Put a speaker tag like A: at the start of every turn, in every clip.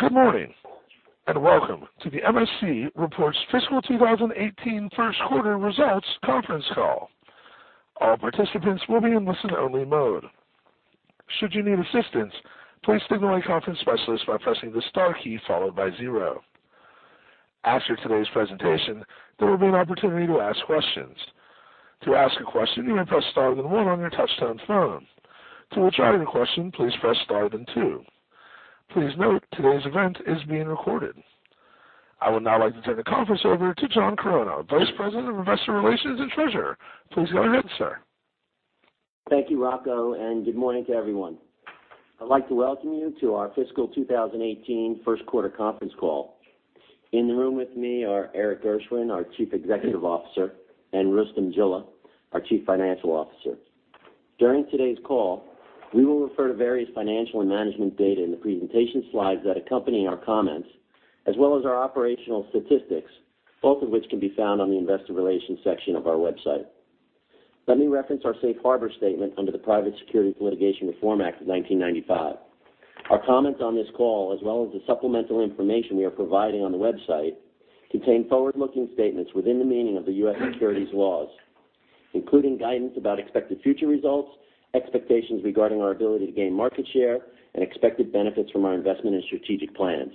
A: Good morning, welcome to the MSC Reports Fiscal 2018 First Quarter Results Conference Call. All participants will be in listen-only mode. Should you need assistance, please signal a conference specialist by pressing the star key followed by zero. After today's presentation, there will be an opportunity to ask questions. To ask a question, you may press star then one on your touch-tone phone. To withdraw your question, please press star then two. Please note, today's event is being recorded. I would now like to turn the conference over to John Chironna, Vice President of Investor Relations and Treasurer. Please go ahead, sir.
B: Thank you, Rocco, good morning to everyone. I'd like to welcome you to our fiscal 2018 first quarter conference call. In the room with me are Erik Gershwind, our Chief Executive Officer, and Rustom Jilla, our Chief Financial Officer. During today's call, we will refer to various financial and management data in the presentation slides that accompany our comments, as well as our operational statistics, both of which can be found on the Investor Relations section of our website. Let me reference our safe harbor statement under the Private Securities Litigation Reform Act of 1995. Our comments on this call, as well as the supplemental information we are providing on the website, contain forward-looking statements within the meaning of the U.S. securities laws, including guidance about expected future results, expectations regarding our ability to gain market share, and expected benefits from our investment and strategic plans.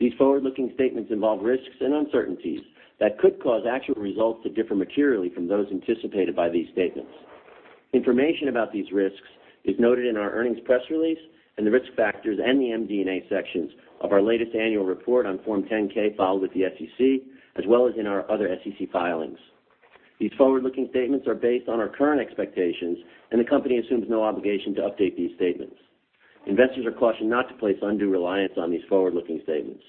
B: These forward-looking statements involve risks and uncertainties that could cause actual results to differ materially from those anticipated by these statements. Information about these risks is noted in our earnings press release and the Risk Factors and the MD&A sections of our latest annual report on Form 10-K filed with the SEC, as well as in our other SEC filings. These forward-looking statements are based on our current expectations, and the company assumes no obligation to update these statements. Investors are cautioned not to place undue reliance on these forward-looking statements.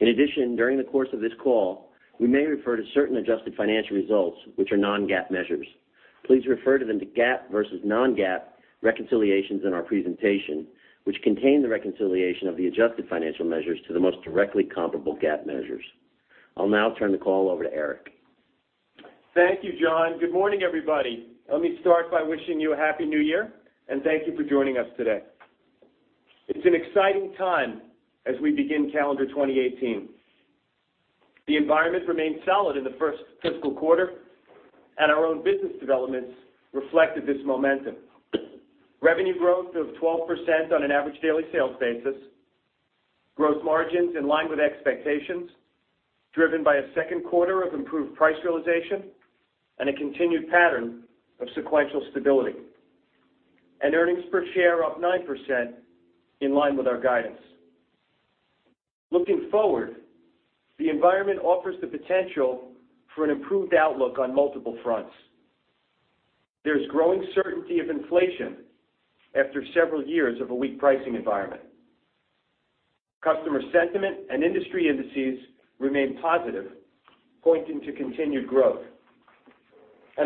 B: In addition, during the course of this call, we may refer to certain adjusted financial results, which are non-GAAP measures. Please refer to the GAAP versus non-GAAP reconciliations in our presentation, which contain the reconciliation of the adjusted financial measures to the most directly comparable GAAP measures. I'll now turn the call over to Erik.
C: Thank you, John. Good morning, everybody. Let me start by wishing you a happy New Year, thank you for joining us today. It's an exciting time as we begin calendar 2018. The environment remained solid in the first fiscal quarter, our own business developments reflected this momentum. Revenue growth of 12% on an average daily sales basis. Gross margins in line with expectations, driven by a second quarter of improved price realization and a continued pattern of sequential stability. Earnings per share up 9%, in line with our guidance. Looking forward, the environment offers the potential for an improved outlook on multiple fronts. There is growing certainty of inflation after several years of a weak pricing environment. Customer sentiment and industry indices remain positive, pointing to continued growth.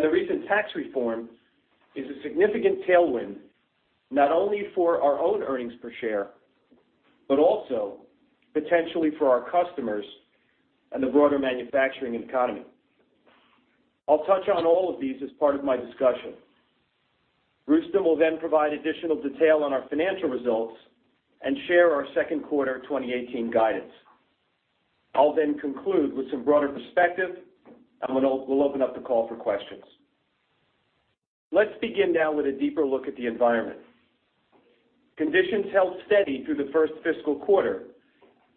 C: The recent tax reform is a significant tailwind, not only for our own earnings per share, but also potentially for our customers and the broader manufacturing economy. I'll touch on all of these as part of my discussion. Rustom will then provide additional detail on our financial results and share our second quarter 2018 guidance. I'll then conclude with some broader perspective, and we'll open up the call for questions. Let's begin now with a deeper look at the environment. Conditions held steady through the first fiscal quarter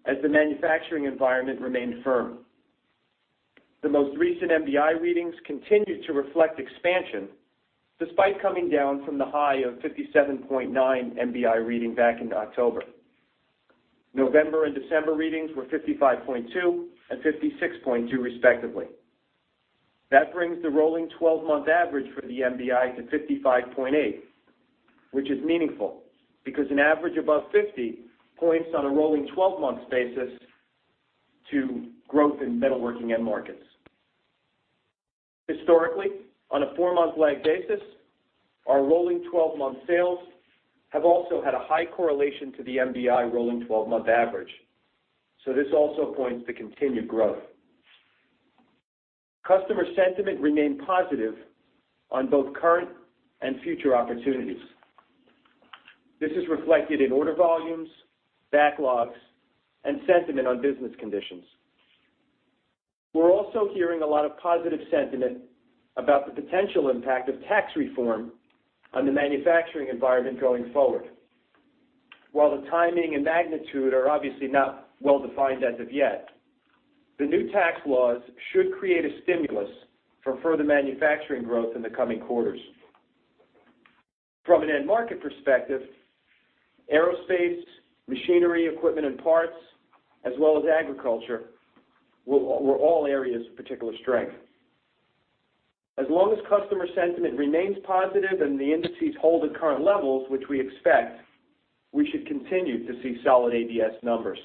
C: as the manufacturing environment remained firm. The most recent MBI readings continued to reflect expansion despite coming down from the high of 57.9 MBI reading back in October. November and December readings were 55.2 and 56.2, respectively. The rolling 12-month average for the MBI to 55.8, which is meaningful, because an average above 50 points on a rolling 12-month basis to growth in metalworking end markets. Historically, on a four-month lag basis, our rolling 12-month sales have also had a high correlation to the MBI rolling 12-month average, so this also points to continued growth. Customer sentiment remained positive on both current and future opportunities. This is reflected in order volumes, backlogs, and sentiment on business conditions. We're also hearing a lot of positive sentiment about the potential impact of tax reform on the manufacturing environment going forward. While the timing and magnitude are obviously not well-defined as of yet, the new tax laws should create a stimulus for further manufacturing growth in the coming quarters. From an end market perspective, aerospace, machinery, equipment and parts, as well as agriculture, were all areas of particular strength. As long as customer sentiment remains positive and the indices hold at current levels, which we expect, we should continue to see solid ADS numbers.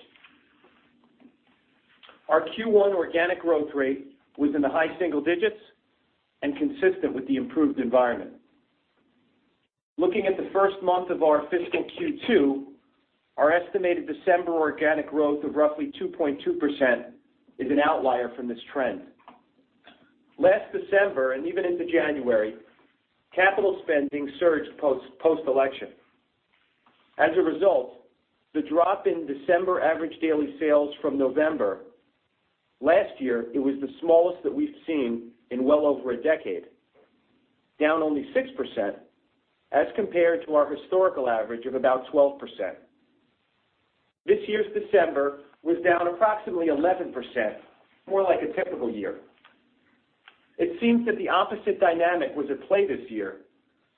C: Our Q1 organic growth rate was in the high single digits and consistent with the improved environment. Looking at the first month of our fiscal Q2, our estimated December organic growth of roughly 2.2% is an outlier from this trend. Last December and even into January, capital spending surged post-election. As a result, the drop in December average daily sales from November last year, it was the smallest that we've seen in well over a decade, down only 6% as compared to our historical average of about 12%. This year's December was down approximately 11%, more like a typical year. It seems that the opposite dynamic was at play this year,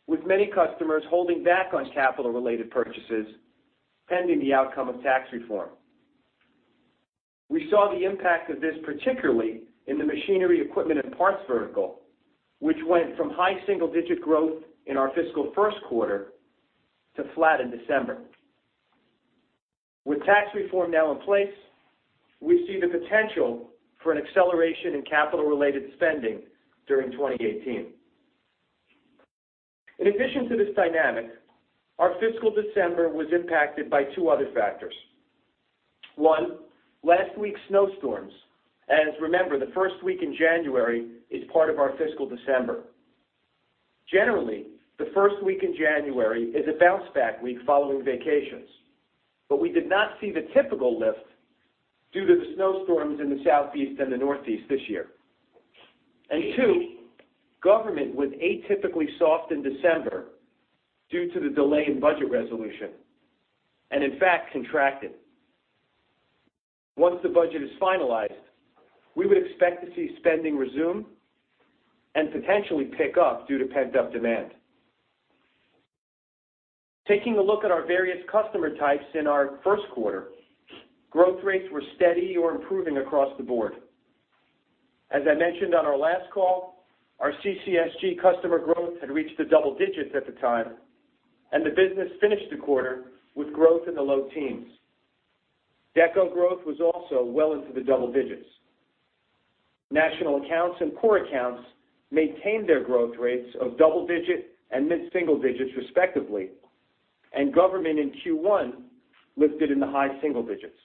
C: with many customers holding back on capital-related purchases pending the outcome of tax reform. We saw the impact of this particularly in the machinery, equipment, and parts vertical, which went from high single-digit growth in our fiscal first quarter to flat in December. With tax reform now in place, we see the potential for an acceleration in capital-related spending during 2018. In addition to this dynamic, our fiscal December was impacted by two other factors. One, last week's snowstorms, as remember, the first week in January is part of our fiscal December. Generally, the first week in January is a bounce-back week following vacations. We did not see the typical lift due to the snowstorms in the Southeast and the Northeast this year. 2, government was atypically soft in December due to the delay in budget resolution, and in fact, contracted. Once the budget is finalized, we would expect to see spending resume and potentially pick up due to pent-up demand. Taking a look at our various customer types in our first quarter, growth rates were steady or improving across the board. As I mentioned on our last call, our CCSG customer growth had reached the double digits at the time, and the business finished the quarter with growth in the low teens. DECO growth was also well into the double digits. National accounts and core accounts maintained their growth rates of double digit and mid-single digits respectively, and government in Q1 lifted in the high single digits.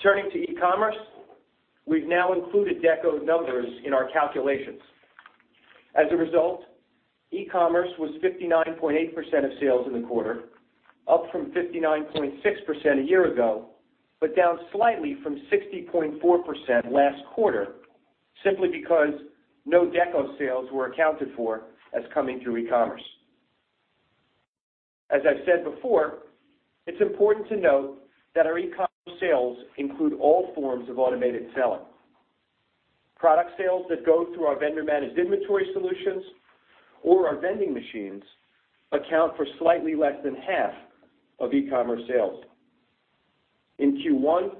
C: Turning to e-commerce, we've now included DECO numbers in our calculations. E-commerce was 59.8% of sales in the quarter, up from 59.6% a year ago, but down slightly from 60.4% last quarter, simply because no DECO sales were accounted for as coming through e-commerce. As I've said before, it's important to note that our e-commerce sales include all forms of automated selling. Product sales that go through our vendor-managed inventory solutions or our vending machines account for slightly less than half of e-commerce sales. In Q1,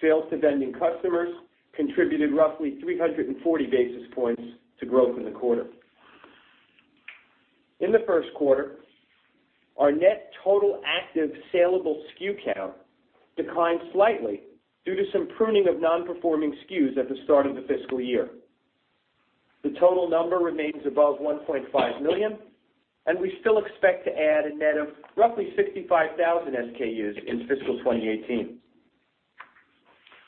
C: sales to vending customers contributed roughly 340 basis points to growth in the quarter. In the first quarter, our net total active salable SKU count declined slightly due to some pruning of non-performing SKUs at the start of the fiscal year. The total number remains above 1.5 million, and we still expect to add a net of roughly 65,000 SKUs in fiscal 2018.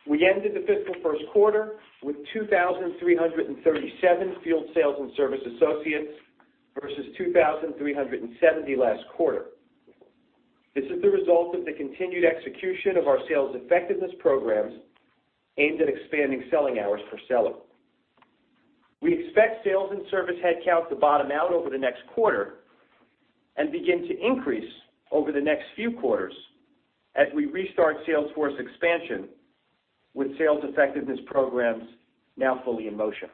C: We ended the fiscal first quarter with 2,337 field sales and service associates versus 2,370 last quarter. This is the result of the continued execution of our sales effectiveness programs aimed at expanding selling hours per seller. We expect sales and service headcount to bottom out over the next quarter and begin to increase over the next few quarters as we restart sales force expansion with sales effectiveness programs now fully in motion.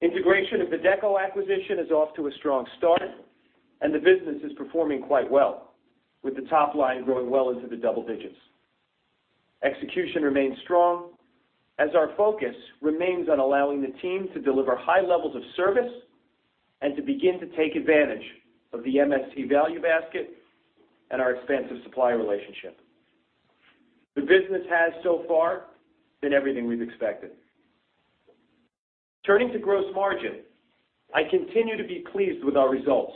C: Integration of the DECO acquisition is off to a strong start, and the business is performing quite well, with the top line growing well into the double digits. Execution remains strong as our focus remains on allowing the team to deliver high levels of service and to begin to take advantage of the MSC value basket and our expansive supplier relationship. The business has so far been everything we've expected. Turning to gross margin, I continue to be pleased with our results.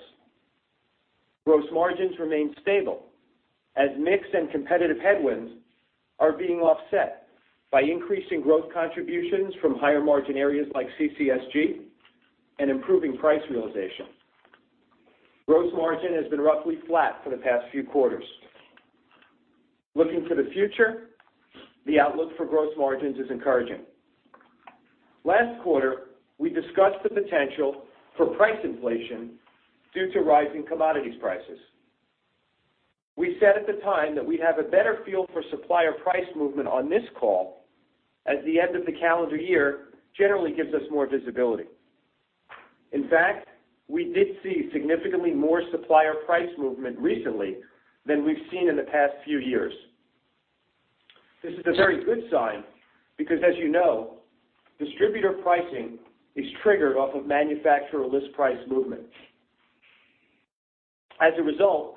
C: Gross margins remain stable as mix and competitive headwinds are being offset by increasing growth contributions from higher-margin areas like CCSG and improving price realization. Gross margin has been roughly flat for the past few quarters. Looking to the future, the outlook for gross margins is encouraging. Last quarter, we discussed the potential for price inflation due to rising commodities prices. We said at the time that we'd have a better feel for supplier price movement on this call, as the end of the calendar year generally gives us more visibility. In fact, we did see significantly more supplier price movement recently than we've seen in the past few years. This is a very good sign because, as you know, distributor pricing is triggered off of manufacturer list price movement. As a result,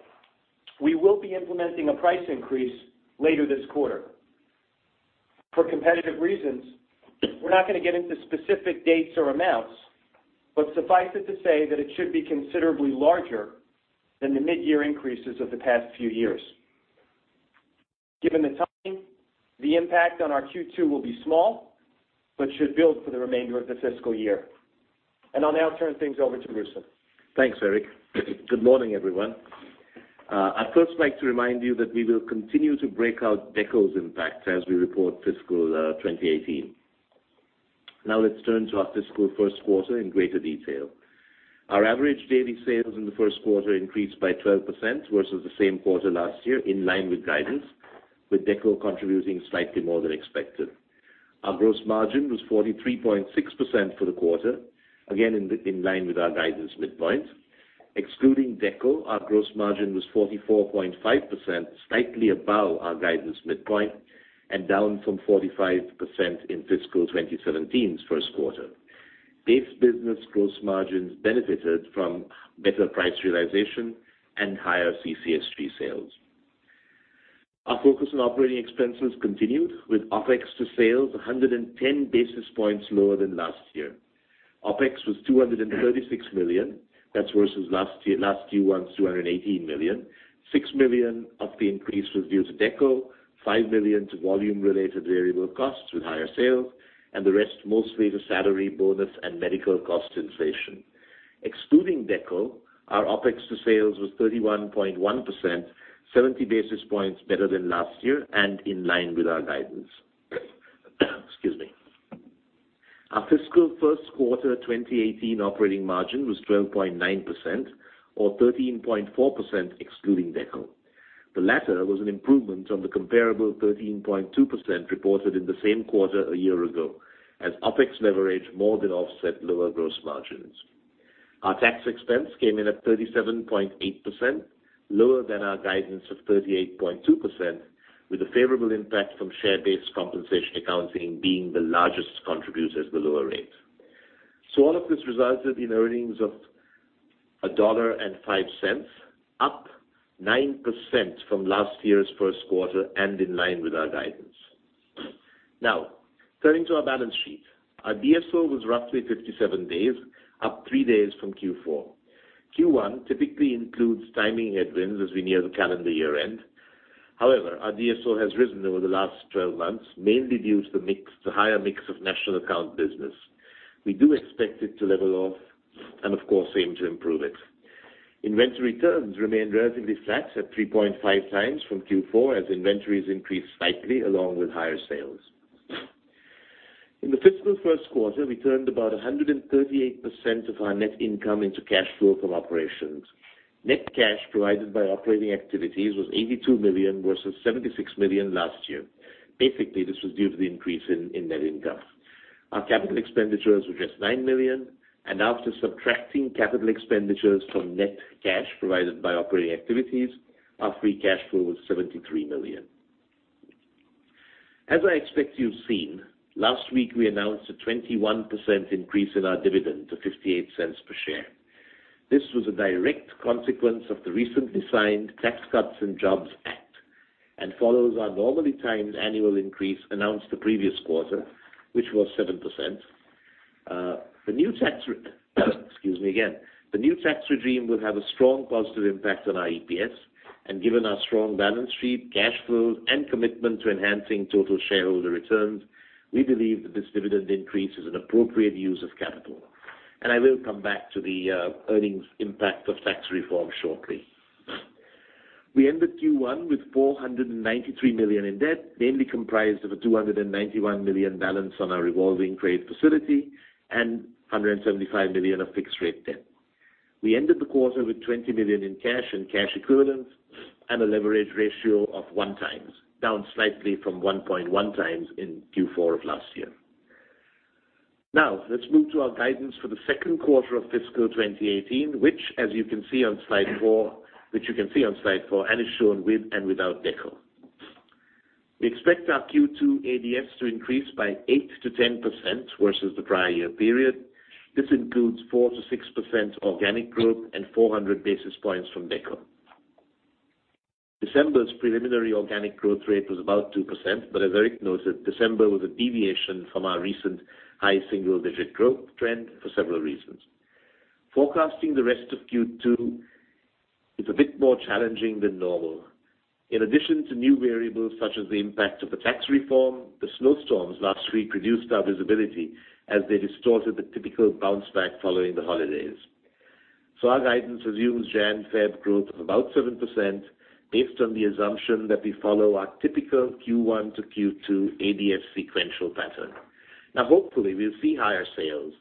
C: we will be implementing a price increase later this quarter. For competitive reasons, we're not going to get into specific dates or amounts. Suffice it to say that it should be considerably larger than the mid-year increases of the past few years. Given the timing, the impact on our Q2 will be small but should build for the remainder of the fiscal year. I'll now turn things over to Rustom.
D: Thanks, Erik. Good morning, everyone. I'd first like to remind you that we will continue to break out DECO's impact as we report fiscal 2018. Let's turn to our fiscal first quarter in greater detail. Our average daily sales in the first quarter increased by 12% versus the same quarter last year, in line with guidance, with DECO contributing slightly more than expected. Our gross margin was 43.6% for the quarter, again in line with our guidance midpoint. Excluding DECO, our gross margin was 44.5%, slightly above our guidance midpoint and down from 45% in fiscal 2017's first quarter. Base business gross margins benefited from better price realization and higher CCSG sales. Our focus on operating expenses continued with OpEx to sales 110 basis points lower than last year. OpEx was $236 million. That's versus last year Q1's $218 million. $6 million of the increase was due to DECO, $5 million to volume-related variable costs with higher sales, and the rest mostly to salary, bonus, and medical cost inflation. Excluding DECO, our OpEx to sales was 31.1%, 70 basis points better than last year and in line with our guidance. Excuse me. Our fiscal first quarter 2018 operating margin was 12.9%, or 13.4% excluding DECO. The latter was an improvement on the comparable 13.2% reported in the same quarter a year ago, as OpEx leverage more than offset lower gross margins. Our tax expense came in at 37.8%, lower than our guidance of 38.2%, with a favorable impact from share-based compensation accounting being the largest contributor to the lower rate. All of this resulted in earnings of $1.05, up 9% from last year's first quarter and in line with our guidance. Turning to our balance sheet. Our DSO was roughly 57 days, up three days from Q4. Q1 typically includes timing headwinds as we near the calendar year-end. However, our DSO has risen over the last 12 months, mainly due to the higher mix of national account business. We do expect it to level off and of course, aim to improve it. Inventory turns remained relatively flat at 3.5 times from Q4 as inventories increased slightly along with higher sales. In the fiscal first quarter, we turned about 138% of our net income into cash flow from operations. Net cash provided by operating activities was $82 million, versus $76 million last year. Basically, this was due to the increase in net income. Our capital expenditures were just $9 million, and after subtracting capital expenditures from net cash provided by operating activities, our free cash flow was $73 million. As I expect you've seen, last week we announced a 21% increase in our dividend to $0.58 per share. This was a direct consequence of the recently signed Tax Cuts and Jobs Act and follows our normally timed annual increase announced the previous quarter, which was 7%. Excuse me again. The new tax regime will have a strong positive impact on our EPS, and given our strong balance sheet, cash flow, and commitment to enhancing total shareholder returns, we believe that this dividend increase is an appropriate use of capital. I will come back to the earnings impact of tax reform shortly. We ended Q1 with $493 million in debt, mainly comprised of a $291 million balance on our revolving credit facility and $175 million of fixed rate debt. We ended the quarter with $20 million in cash and cash equivalents and a leverage ratio of 1 times, down slightly from 1.1 times in Q4 of last year. Let's move to our guidance for the second quarter of fiscal 2018, which as you can see on slide four, is shown with and without DECO. We expect our Q2 ADS to increase by 8%-10% versus the prior year period. This includes 4%-6% organic growth and 400 basis points from DECO. December's preliminary organic growth rate was about 2%, but as Erik noted, December was a deviation from our recent high single-digit growth trend for several reasons. Forecasting the rest of Q2 is a bit more challenging than normal. In addition to new variables such as the impact of the tax reform, the snowstorms last week reduced our visibility as they distorted the typical bounce back following the holidays. Our guidance assumes Jan/Feb growth of about 7% based on the assumption that we follow our typical Q1 to Q2 ADS sequential pattern. Hopefully, we'll see higher sales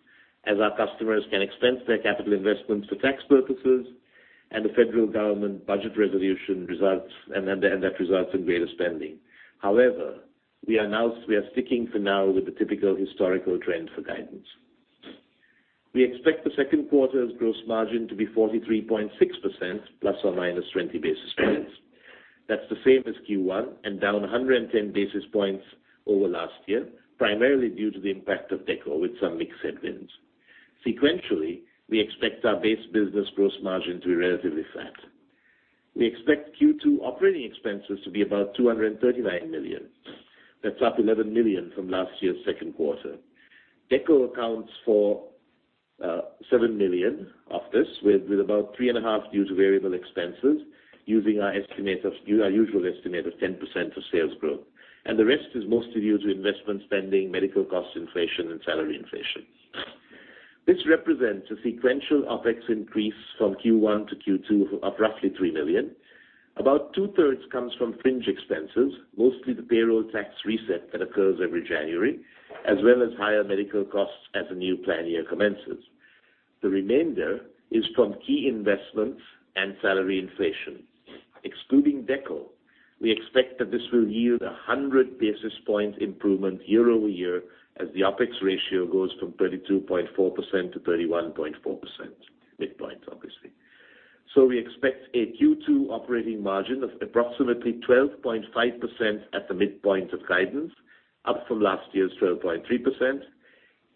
D: as our customers can expense their capital investments for tax purposes and the federal government budget resolution results, that results in greater spending. We are sticking for now with the typical historical trend for guidance. We expect the second quarter's gross margin to be 43.6% ± 20 basis points. That's the same as Q1 and down 110 basis points over last year, primarily due to the impact of DECO with some mix headwinds. Sequentially, we expect our base business gross margin to be relatively flat. We expect Q2 operating expenses to be about $239 million. That's up $11 million from last year's second quarter. DECO accounts for $7 million of this, with about $3.5 million due to variable expenses using our usual estimate of 10% for sales growth. The rest is mostly due to investment spending, medical cost inflation, and salary inflation. This represents a sequential OpEx increase from Q1 to Q2 of roughly $3 million. About two-thirds comes from fringe expenses, mostly the payroll tax reset that occurs every January, as well as higher medical costs as a new plan year commences. The remainder is from key investments and salary inflation. Excluding DECO, we expect that this will yield 100 basis point improvement year-over-year as the OpEx ratio goes from 32.4%-31.4%, midpoint, obviously. We expect a Q2 operating margin of approximately 12.5% at the midpoint of guidance, up from last year's 12.3%,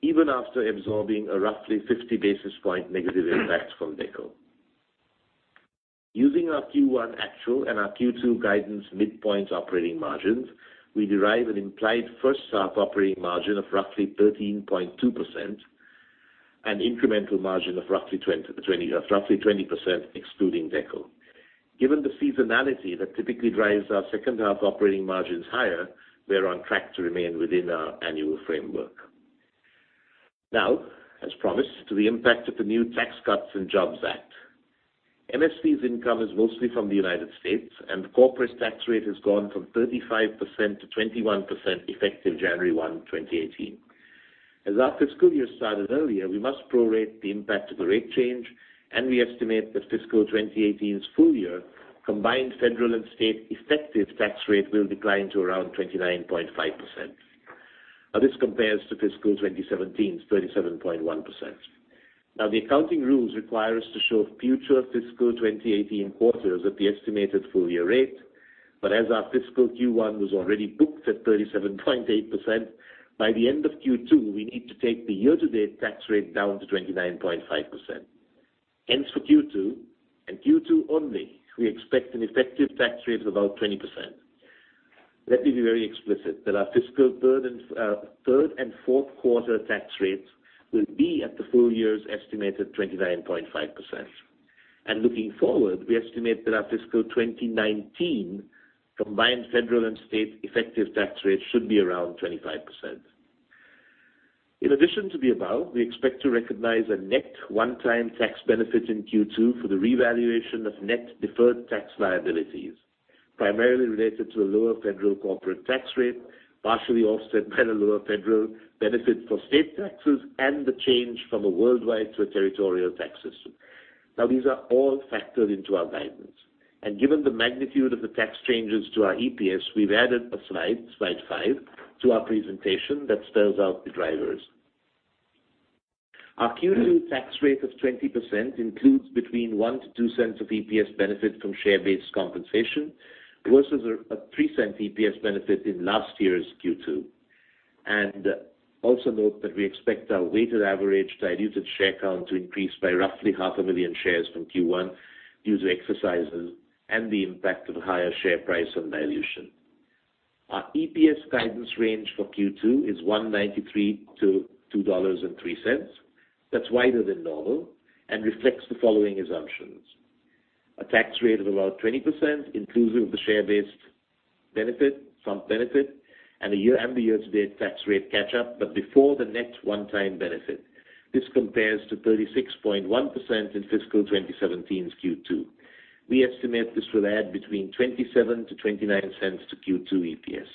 D: even after absorbing a roughly 50 basis point negative impact from DECO. Using our Q1 actual and our Q2 guidance midpoints operating margins, we derive an implied first half operating margin of roughly 13.2% and incremental margin of roughly 20%, excluding DECO. Given the seasonality that typically drives our second half operating margins higher, we're on track to remain within our annual framework. As promised, to the impact of the new Tax Cuts and Jobs Act. MSC's income is mostly from the U.S., and the corporate tax rate has gone from 35% to 21%, effective January 1, 2018. As our fiscal year started earlier, we must prorate the impact of the rate change, and we estimate that fiscal 2018's full year combined federal and state effective tax rate will decline to around 29.5%. This compares to fiscal 2017's 37.1%. The accounting rules require us to show future fiscal 2018 quarters at the estimated full year rate. As our fiscal Q1 was already booked at 37.8%, by the end of Q2, we need to take the year-to-date tax rate down to 29.5%. Hence, for Q2, and Q2 only, we expect an effective tax rate of about 20%. Let me be very explicit that our fiscal third and fourth quarter tax rates will be at the full year's estimated 29.5%. Looking forward, we estimate that our fiscal 2019 combined federal and state effective tax rate should be around 25%. In addition to the above, we expect to recognize a net one-time tax benefit in Q2 for the revaluation of net deferred tax liabilities, primarily related to the lower federal corporate tax rate, partially offset by the lower federal benefit for state taxes, and the change from a worldwide to a territorial tax system. These are all factored into our guidance. Given the magnitude of the tax changes to our EPS, we've added a slide five, to our presentation that spells out the drivers. Our Q2 tax rate of 20% includes between $0.01-$0.02 of EPS benefit from share-based compensation versus a $0.03 EPS benefit in last year's Q2. Also note that we expect our weighted average diluted share count to increase by roughly half a million shares from Q1 due to exercises and the impact of higher share price on dilution. Our EPS guidance range for Q2 is $1.93-$2.03. That's wider than normal and reflects the following assumptions. A tax rate of about 20%, inclusive of the share-based benefit, some benefit, and the year-to-date tax rate catch-up, but before the net one-time benefit. This compares to 36.1% in fiscal 2017's Q2. We estimate this will add between $0.27-$0.29 to Q2 EPS.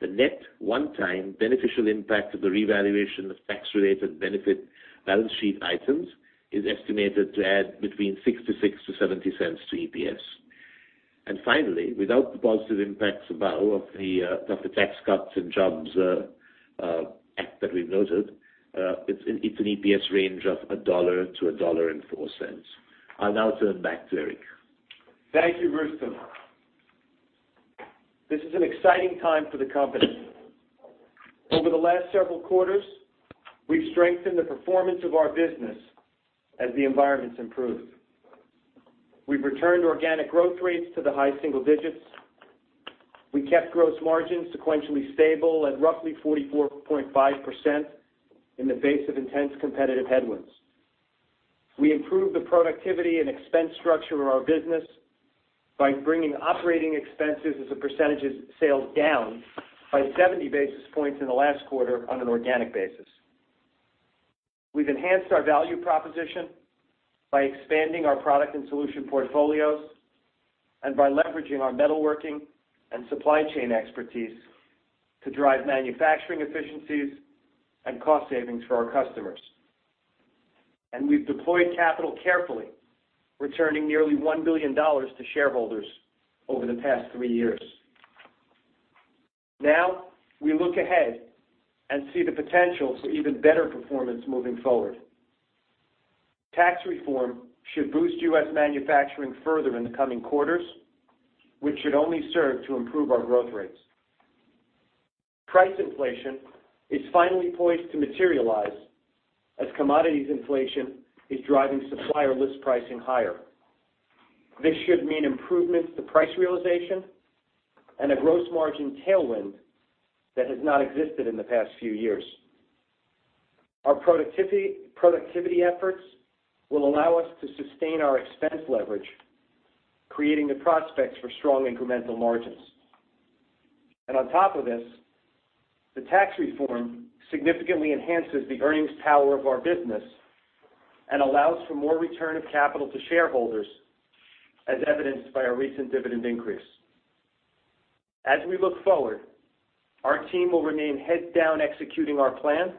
D: The net one-time beneficial impact of the revaluation of tax-related benefit balance sheet items is estimated to add between $0.66-$0.70 to EPS. Finally, without the positive impacts above of the Tax Cuts and Jobs Act that we've noted, it's an EPS range of $1-$1.04. I'll now turn back to Erik.
C: Thank you, Rustom. This is an exciting time for the company. Over the last several quarters, we've strengthened the performance of our business as the environment's improved. We've returned organic growth rates to the high single digits. We kept gross margins sequentially stable at roughly 44.5% in the face of intense competitive headwinds. We improved the productivity and expense structure of our business by bringing operating expenses as a percentage of sales down by 70 basis points in the last quarter on an organic basis. We've enhanced our value proposition by expanding our product and solution portfolios and by leveraging our metalworking and supply chain expertise to drive manufacturing efficiencies and cost savings for our customers. We've deployed capital carefully, returning nearly $1 billion to shareholders over the past three years. Now, we look ahead and see the potential for even better performance moving forward. Tax reform should boost U.S. manufacturing further in the coming quarters, which should only serve to improve our growth rates. Price inflation is finally poised to materialize as commodities inflation is driving supplier list pricing higher. This should mean improvements to price realization and a gross margin tailwind that has not existed in the past few years. Our productivity efforts will allow us to sustain our expense leverage, creating the prospects for strong incremental margins. On top of this, the tax reform significantly enhances the earnings power of our business and allows for more return of capital to shareholders, as evidenced by our recent dividend increase. As we look forward, our team will remain heads down executing our plan,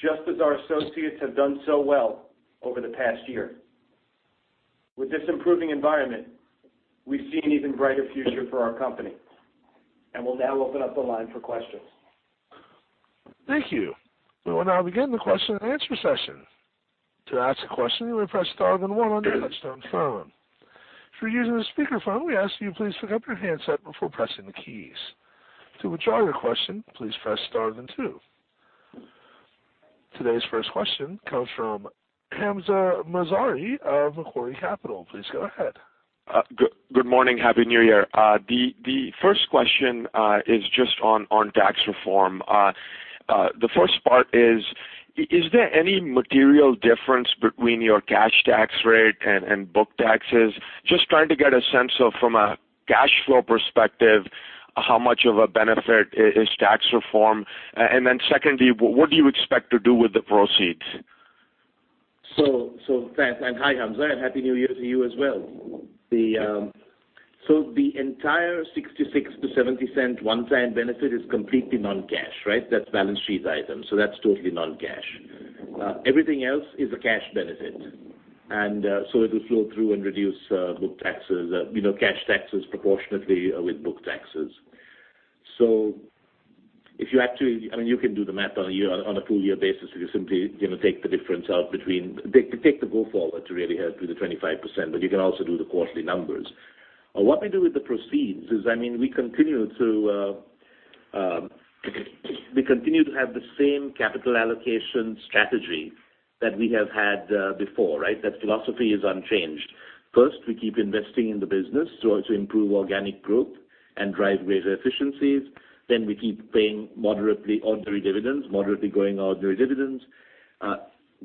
C: just as our associates have done so well over the past year. With this improving environment, we see an even brighter future for our company. We'll now open up the line for questions.
A: Thank you. We will now begin the question and answer session. To ask a question, you may press star then one on your touch-tone phone. If you're using a speakerphone, we ask that you please pick up your handset before pressing the keys. To withdraw your question, please press star then two. Today's first question comes from Hamzah Mazari of Macquarie Capital. Please go ahead.
E: Good morning. Happy New Year. The first question is just on tax reform. The first part is: Is there any material difference between your cash tax rate and book taxes? Just trying to get a sense of, from a cash flow perspective, how much of a benefit is tax reform. Then secondly, what do you expect to do with the proceeds?
D: Thanks, and hi, Hamzah, and Happy New Year to you as well. The entire $0.66-$0.70 one-time benefit is completely non-cash, right? That's a balance sheet item. That's totally non-cash. Everything else is a cash benefit. It will flow through and reduce book taxes, cash taxes proportionately with book taxes. If you can do the math on a full year basis, where you simply take the difference out. Take the go forward to really help with the 25%, but you can also do the quarterly numbers. What we do with the proceeds is we continue to have the same capital allocation strategy that we have had before, right? That philosophy is unchanged. First, we keep investing in the business to also improve organic growth and drive greater efficiencies. We keep paying moderately ordinary dividends, moderately growing ordinary dividends.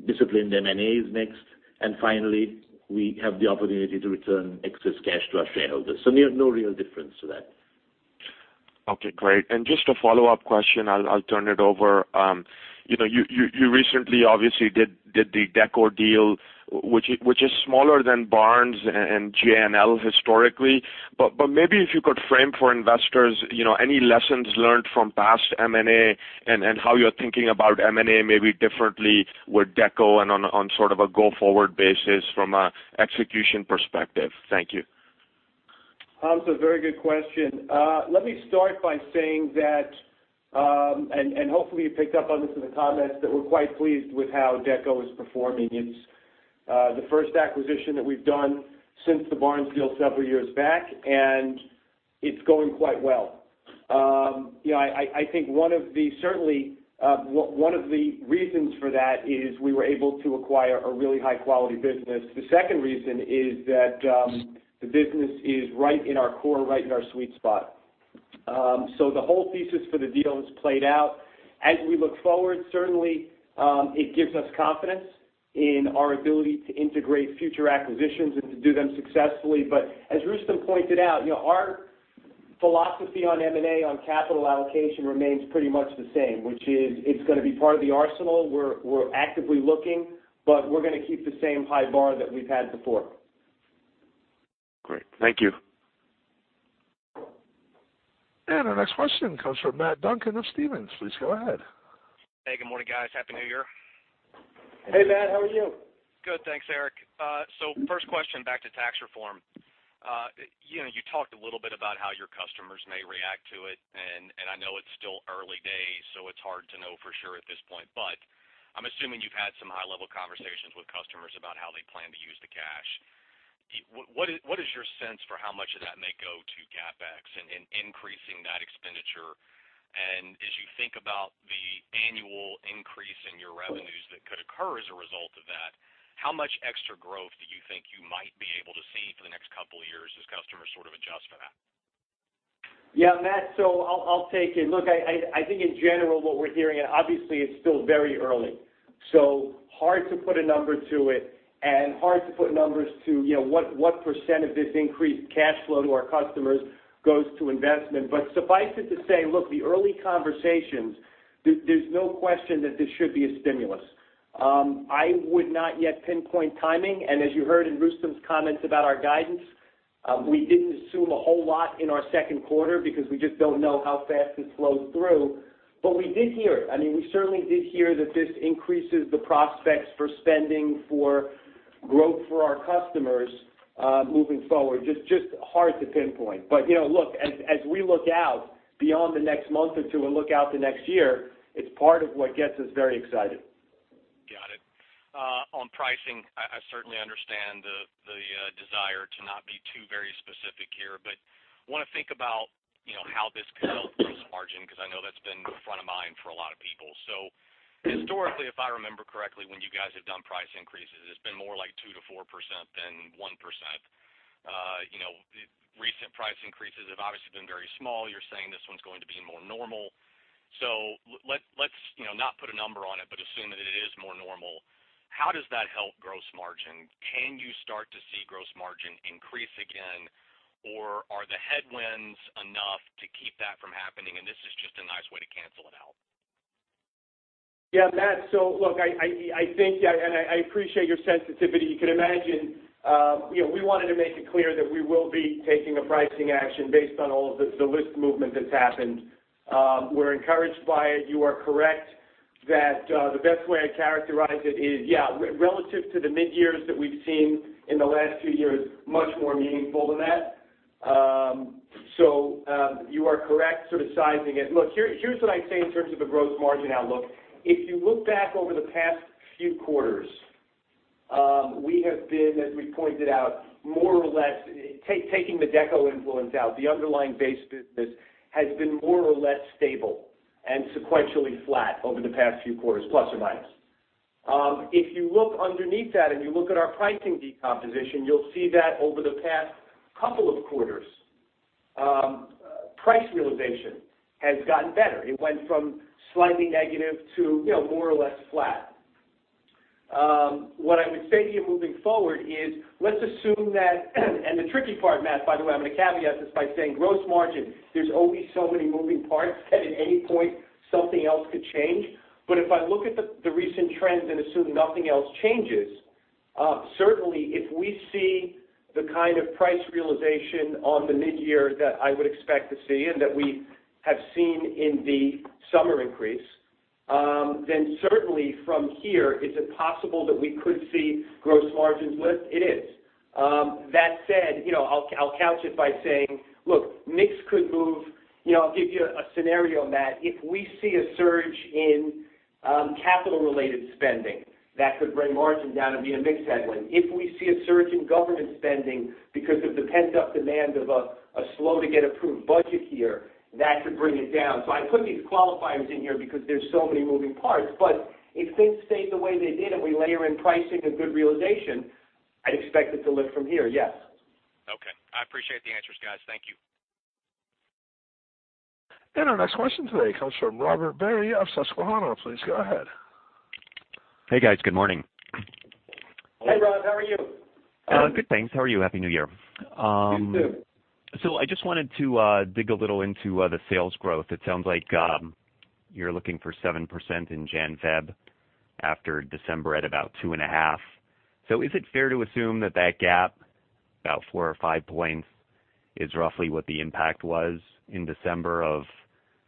D: Discipline the M&As next. Finally, we have the opportunity to return excess cash to our shareholders. No real difference to that.
E: Okay, great. Just a follow-up question. I'll turn it over. You recently obviously did the DECO deal, which is smaller than Barnes and J&L historically. Maybe if you could frame for investors any lessons learned from past M&A and how you're thinking about M&A maybe differently with DECO and on sort of a go-forward basis from an execution perspective. Thank you.
C: Hamzah, very good question. Let me start by saying that, and hopefully you picked up on this in the comments, that we're quite pleased with how DECO is performing. It's the first acquisition that we've done since the Barnes deal several years back, and it's going quite well. I think certainly, one of the reasons for that is we were able to acquire a really high-quality business. The second reason is that the business is right in our core, right in our sweet spot. The whole thesis for the deal has played out. As we look forward, certainly, it gives us confidence in our ability to integrate future acquisitions and to do them successfully. As Rustom pointed out, our philosophy on M&A, on capital allocation remains pretty much the same, which is it's going to be part of the arsenal. We're actively looking, we're going to keep the same high bar that we've had before.
E: Great. Thank you.
A: Our next question comes from Matt Duncan of Stephens. Please go ahead.
F: Hey, good morning, guys. Happy New Year.
C: Hey, Matt. How are you?
F: Good, thanks, Erik. First question back to tax reform. You talked a little bit about how your customers may react to it. I know it's still early days, it's hard to know for sure at this point. I'm assuming you've had some high-level conversations with customers about how they plan to use the cash. What is your sense for how much of that may go to CapEx and increasing that expenditure? As you think about the annual increase in your revenues that could occur as a result of that, how much extra growth do you think you might be able to see for the next couple of years as customers sort of adjust for that?
C: Matt, I'll take it. Look, I think in general what we're hearing, obviously it's still very early, hard to put a number to it and hard to put numbers to what percent of this increased cash flow to our customers goes to investment. Suffice it to say, look, the early conversations, there's no question that this should be a stimulus. I would not yet pinpoint timing. As you heard in Rustom's comments about our guidance, we didn't assume a whole lot in our second quarter because we just don't know how fast this flows through. We did hear it. We certainly did hear that this increases the prospects for spending for growth for our customers moving forward. Just hard to pinpoint. Look, as we look out beyond the next month or two and look out the next year, it's part of what gets us very excited.
F: On pricing, I certainly understand the desire to not be too very specific here, but I want to think about how this could help gross margin, because I know that's been front of mind for a lot of people. Historically, if I remember correctly, when you guys have done price increases, it's been more like 2%-4% than 1%. Recent price increases have obviously been very small. You're saying this one's going to be more normal. Let's not put a number on it, but assume that it is more normal. How does that help gross margin? Can you start to see gross margin increase again? Are the headwinds enough to keep that from happening, and this is just a nice way to cancel it out?
C: Yeah, Matt, so look, I think, and I appreciate your sensitivity. You can imagine, we wanted to make it clear that we will be taking a pricing action based on all of the list movement that's happened. We're encouraged by it. You are correct that the best way I characterize it is, yeah, relative to the midyears that we've seen in the last few years, much more meaningful than that. You are correct sort of sizing it. Look, here's what I'd say in terms of the gross margin outlook. If you look back over the past few quarters, we have been, as we pointed out, more or less, taking the DECO influence out, the underlying base business has been more or less stable and sequentially flat over the past few quarters, plus or minus. If you look underneath that and you look at our pricing DECOmposition, you'll see that over the past couple of quarters, price realization has gotten better. It went from slightly negative to more or less flat. What I would say to you moving forward is, let's assume that-- and the tricky part, Matt, by the way, I'm going to caveat this by saying gross margin, there's only so many moving parts that at any point something else could change. If I look at the recent trends and assume nothing else changes, certainly if we see the kind of price realization on the midyear that I would expect to see and that we have seen in the summer increase, then certainly from here, is it possible that we could see gross margins lift? It is. That said, I'll couch it by saying, look, mix could move. I'll give you a scenario, Matt. If we see a surge in capital-related spending, that could bring margin down and be a mix headwind. If we see a surge in government spending because of the pent-up demand of a slow-to-get-approved budget here, that could bring it down. I put these qualifiers in here because there's so many moving parts. If things stay the way they did, and we layer in pricing and good realization, I'd expect it to lift from here, yes.
F: Okay. I appreciate the answers, guys. Thank you.
A: Our next question today comes from Robert Barry of Susquehanna. Please go ahead.
G: Hey, guys. Good morning.
C: Hey, Rob. How are you?
G: Good, thanks. How are you? Happy New Year.
C: You too.
G: I just wanted to dig a little into the sales growth. It sounds like you're looking for 7% in Jan, Feb, after December at about 2.5%. Is it fair to assume that that gap, about four or five points, is roughly what the impact was in December of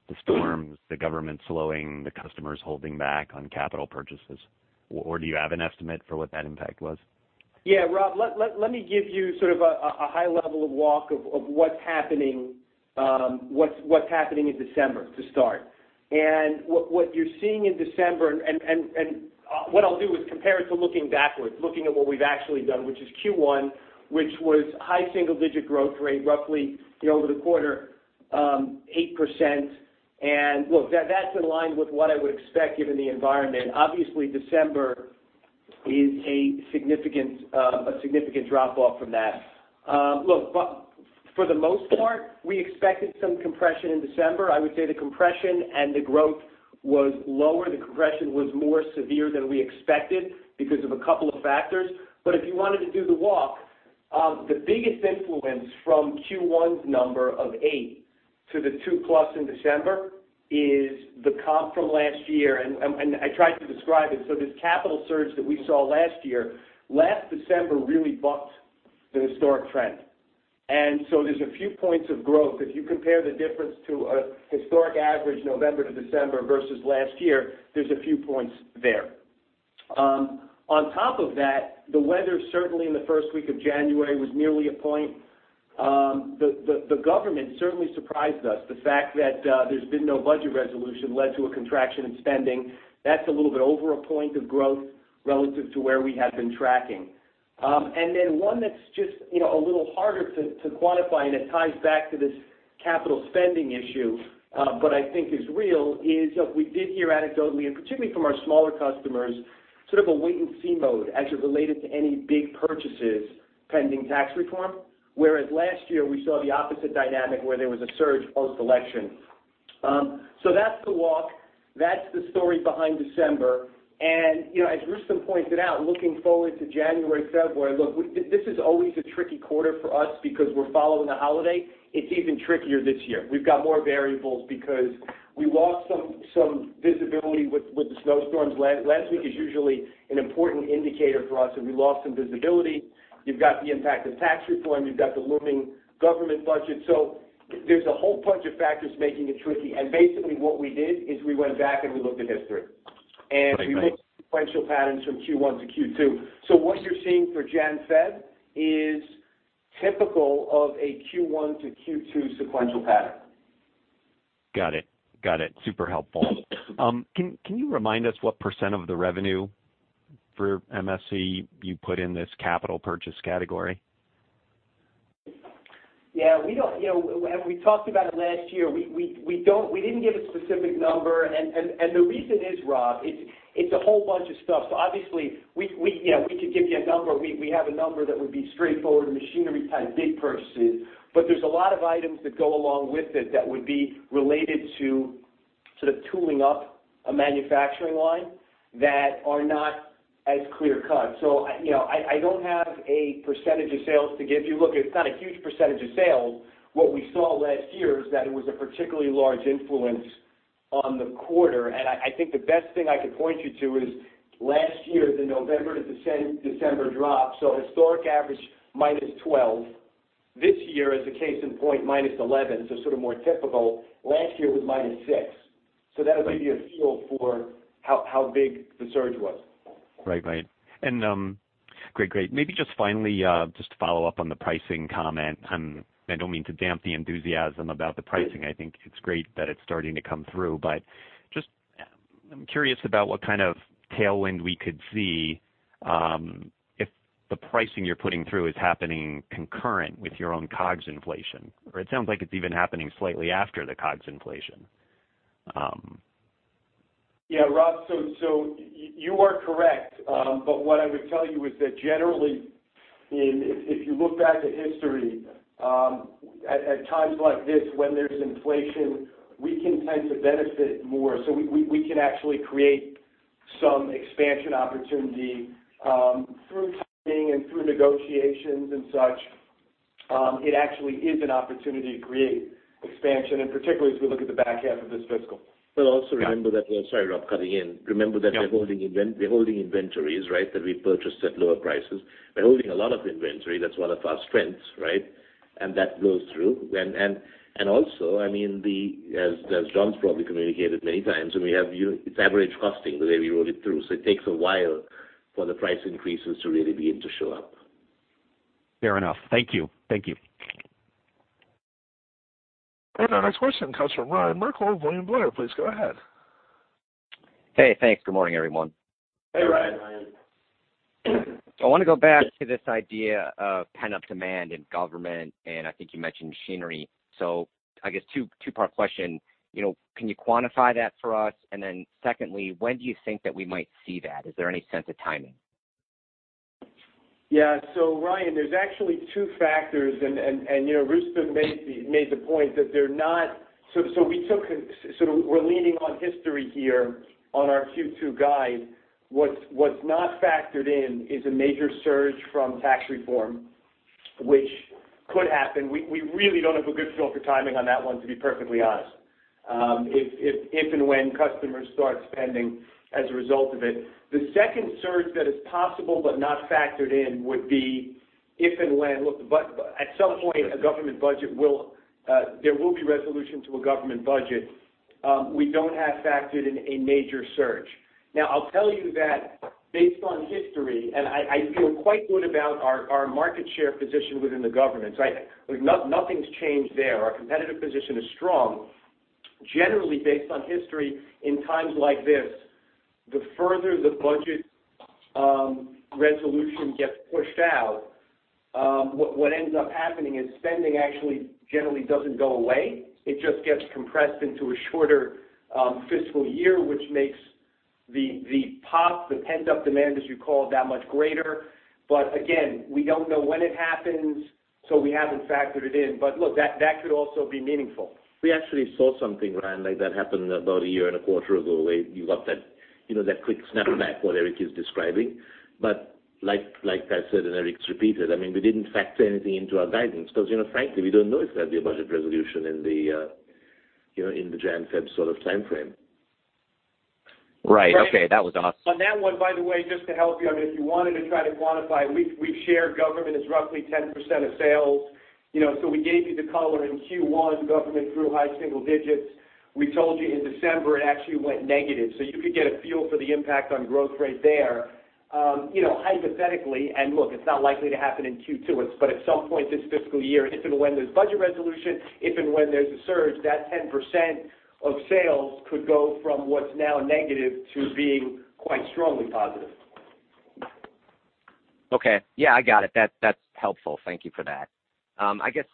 G: the storms, the government slowing, the customers holding back on capital purchases? Or do you have an estimate for what that impact was?
C: Rob, let me give you sort of a high level walk of what's happening in December to start. What you're seeing in December, and what I'll do is compare it to looking backwards, looking at what we've actually done, which is Q1, which was high single-digit growth rate, roughly over the quarter, 8%. Look, that's in line with what I would expect given the environment. Obviously, December is a significant drop off from that. For the most part, we expected some compression in December. I would say the compression and the growth was lower. The compression was more severe than we expected because of a couple of factors. If you wanted to do the walk, the biggest influence from Q1's number of 8 to the 2+ in December is the comp from last year, and I tried to describe it. This capital surge that we saw last year, last December really bucked the historic trend. There's a few points of growth. If you compare the difference to a historic average November to December versus last year, there's a few points there. On top of that, the weather certainly in the first week of January was nearly a point. The government certainly surprised us. The fact that there's been no budget resolution led to a contraction in spending. That's a little bit over a point of growth relative to where we had been tracking. Then one that's just a little harder to quantify, and it ties back to this capital spending issue, but I think is real, is we did hear anecdotally, and particularly from our smaller customers, sort of a wait-and-see mode as it related to any big purchases pending Tax Reform. Whereas last year, we saw the opposite dynamic where there was a surge post-election. That's the walk. That's the story behind December. As Rustom pointed out, looking forward to January, February, look, this is always a tricky quarter for us because we're following a holiday. It's even trickier this year. We've got more variables because we lost some visibility with the snowstorms. Last week is usually an important indicator for us, and we lost some visibility. You've got the impact of Tax Reform. You've got the looming government budget. There's a whole bunch of factors making it tricky, basically what we did is we went back and we looked at history. We looked at sequential patterns from Q1 to Q2. What you're seeing for January, February is typical of a Q1 to Q2 sequential pattern
G: Got it. Super helpful. Can you remind us what % of the revenue for MSC you put in this capital purchase category?
C: Yeah. We talked about it last year. We didn't give a specific number. The reason is, Rob, it's a whole bunch of stuff. Obviously, we could give you a number. We have a number that would be straightforward, the machinery type big purchases, but there's a lot of items that go along with it that would be related to tooling up a manufacturing line that are not as clear cut. I don't have a percentage of sales to give you. Look, it's not a huge percentage of sales. What we saw last year is that it was a particularly large influence on the quarter, and I think the best thing I could point you to is last year, the November to December drop. Historic average, minus 12. This year, as a case in point, minus 11, so sort of more typical. Last year was minus six. That'll give you a feel for how big the surge was.
G: Right. Great. Maybe just finally, just to follow up on the pricing comment. I don't mean to damp the enthusiasm about the pricing. I think it's great that it's starting to come through, but I'm curious about what kind of tailwind we could see, if the pricing you're putting through is happening concurrent with your own COGS inflation. It sounds like it's even happening slightly after the COGS inflation.
C: Yeah, Rob, you are correct. What I would tell you is that generally, if you look back at history, at times like this when there's inflation, we can tend to benefit more. We can actually create some expansion opportunity, through timing and through negotiations and such. It actually is an opportunity to create expansion, and particularly as we look at the back half of this fiscal.
D: Sorry, Rob, cutting in.
C: Yeah.
D: Remember that we're holding inventories, right, that we purchased at lower prices. We're holding a lot of inventory. That's one of our strengths, right? That goes through. Also, as John's probably communicated many times, it's average costing, the way we roll it through. It takes a while for the price increases to really begin to show up.
G: Fair enough. Thank you.
A: Our next question comes from Ryan Merkel of William Blair. Please go ahead.
H: Hey, thanks. Good morning, everyone.
C: Hey, Ryan.
D: Hey, Ryan.
H: I want to go back to this idea of pent-up demand in government, and I think you mentioned machinery. I guess two-part question. Can you quantify that for us? Secondly, when do you think that we might see that? Is there any sense of timing?
C: Yeah. Ryan, there's actually two factors. Rustom made the point that they're not. We're leaning on history here on our Q2 guide. What's not factored in is a major surge from tax reform, which could happen. We really don't have a good feel for timing on that one, to be perfectly honest, if and when customers start spending as a result of it. The second surge that is possible but not factored in would be if and when. Look, at some point, there will be resolution to a government budget. We don't have factored in a major surge. I'll tell you that based on history. I feel quite good about our market share position within the government. Nothing's changed there. Our competitive position is strong. Generally, based on history, in times like this, the further the budget resolution gets pushed out, what ends up happening is spending actually generally doesn't go away. It just gets compressed into a shorter fiscal year, which makes the pop, the pent-up demand, as you call it, that much greater. Again, we don't know when it happens. We haven't factored it in. Look, that could also be meaningful.
D: We actually saw something, Ryan, like that happen about a year and a quarter ago, where you got that quick snap back, what Erik is describing. Like I said and Erik's repeated, we didn't factor anything into our guidance because frankly, we don't know if there'll be a budget resolution in the Jan-Feb sort of timeframe.
H: Right. Okay.
C: On that one, by the way, just to help you, if you wanted to try to quantify, we've shared government is roughly 10% of sales. We gave you the color in Q1, government grew high single digits. We told you in December it actually went negative. You could get a feel for the impact on growth rate there. Hypothetically, and look, it's not likely to happen in Q2, but at some point this fiscal year, if and when there's budget resolution, if and when there's a surge, that 10% of sales could go from what's now negative to being quite strongly positive.
H: Okay. Yeah, I got it. That's helpful. Thank you for that.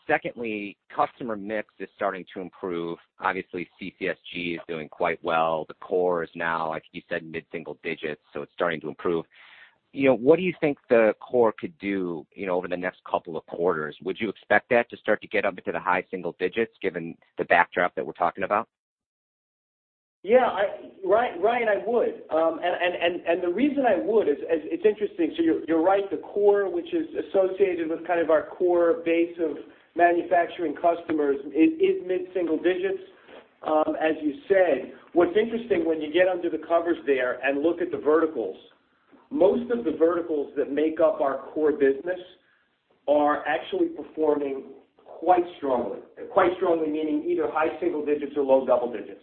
H: Secondly, customer mix is starting to improve. Obviously, CCSG is doing quite well. The core is now, like you said, mid-single digits, so it's starting to improve. What do you think the core could do over the next couple of quarters? Would you expect that to start to get up into the high single digits, given the backdrop that we're talking about?
C: Yeah. Ryan, I would. The reason I would is, it's interesting. So you're right, the core, which is associated with kind of our core base of manufacturing customers, is mid-single digits, as you said. What's interesting, when you get under the covers there and look at the verticals, most of the verticals that make up our core business are actually performing quite strongly. Quite strongly meaning either high single digits or low double digits.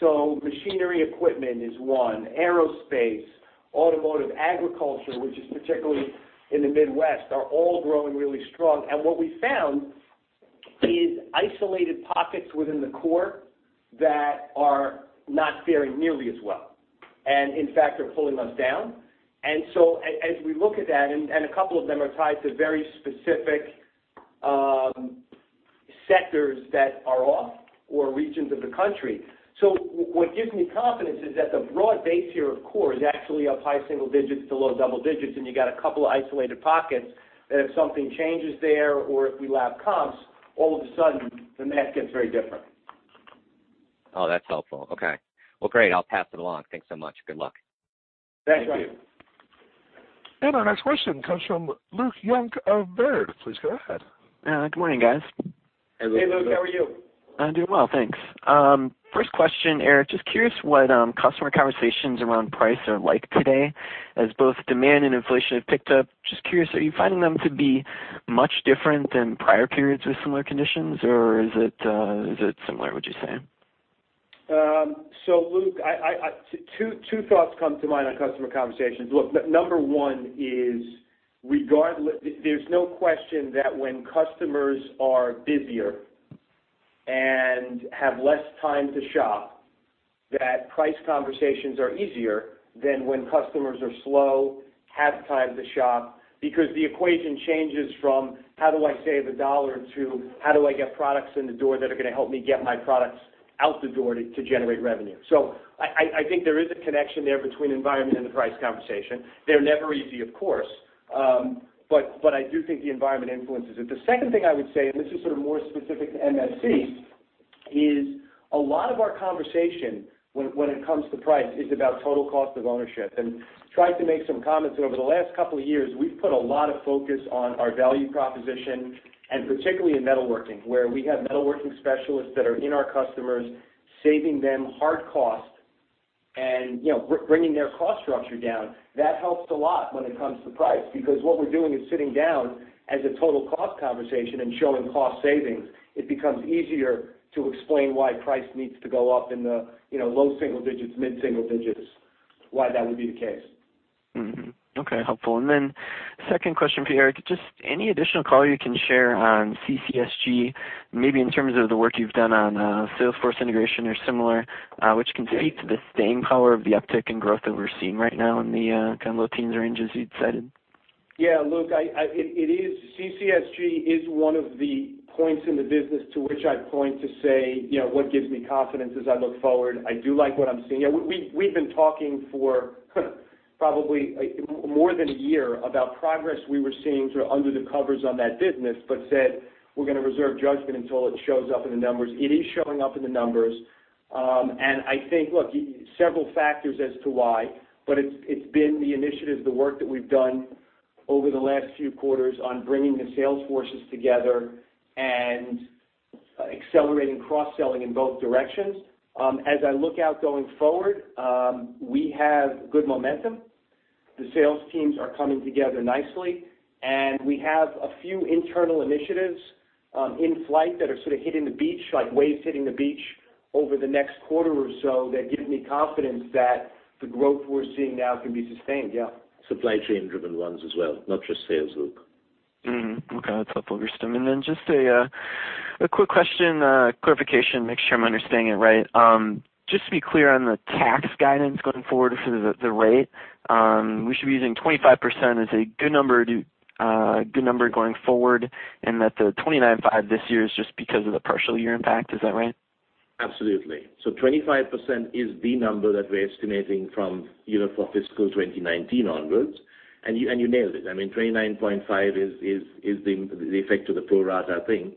C: Machinery equipment is one, aerospace, automotive, agriculture, which is particularly in the Midwest, are all growing really strong. What we found is isolated pockets within the core that are not faring nearly as well, and in fact, are pulling us down. As we look at that, a couple of them are tied to very specific sectors that are off or regions of the country. What gives me confidence is that the broad base here of core is actually up high single digits to low double digits, and you got a couple of isolated pockets that if something changes there or if we lap comps, all of a sudden the net gets very different.
H: Oh, that's helpful. Okay. Well, great. I'll pass it along. Thanks so much. Good luck.
C: Thank you.
A: Our next question comes from Luke Junk of Baird. Please go ahead.
I: Good morning, guys.
C: Hey, Luke. How are you?
I: I'm doing well, thanks. First question, Erik, just curious what customer conversations around price are like today as both demand and inflation have picked up. Just curious, are you finding them to be much different than prior periods with similar conditions, or is it similar, would you say?
C: Luke, two thoughts come to mind on customer conversations. Look, number 1 is there's no question that when customers are busier and have less time to shop, that price conversations are easier than when customers are slow, have time to shop. The equation changes from how do I save a dollar to how do I get products in the door that are going to help me get my products out the door to generate revenue. I think there is a connection there between environment and the price conversation. They're never easy, of course. I do think the environment influences it. The second thing I would say, and this is sort of more specific to MSC, is a lot of our conversation when it comes to price is about total cost of ownership and tried to make some comments over the last couple of years. We've put a lot of focus on our value proposition, particularly in metalworking, where we have metalworking specialists that are in our customers, saving them hard cost and bringing their cost structure down. That helps a lot when it comes to price, what we're doing is sitting down as a total cost conversation and showing cost savings. It becomes easier to explain why price needs to go up in the low single digits, mid-single digits, why that would be the case.
I: Mm-hmm. Okay. Helpful. Second question for you, Erik. Just any additional color you can share on CCSG, maybe in terms of the work you've done on sales force integration or similar, which can speak to the staying power of the uptick in growth that we're seeing right now in the kind of low teens ranges you'd cited.
C: Luke, CCSG is one of the points in the business to which I point to say, what gives me confidence as I look forward. I do like what I'm seeing. We've been talking for probably more than a year about progress we were seeing sort of under the covers on that business, said we're going to reserve judgment until it shows up in the numbers. It is showing up in the numbers. I think, look, several factors as to why, it's been the initiatives, the work that we've done over the last few quarters on bringing the sales forces together and accelerating cross-selling in both directions. As I look out going forward, we have good momentum. The sales teams are coming together nicely. We have a few internal initiatives in flight that are sort of hitting the beach, like waves hitting the beach over the next quarter or so that give me confidence that the growth we're seeing now can be sustained.
D: Supply chain driven ones as well, not just sales, Luke.
I: Okay. That's helpful, Rustom. Just a quick question, clarification, make sure I'm understanding it right. Just to be clear on the tax guidance going forward for the rate, we should be using 25% as a good number going forward, and that the 29.5 this year is just because of the partial year impact, is that right?
D: Absolutely. 25% is the number that we're estimating from fiscal 2019 onwards. You nailed it. I mean, 29.5 is the effect of the pro rata thing.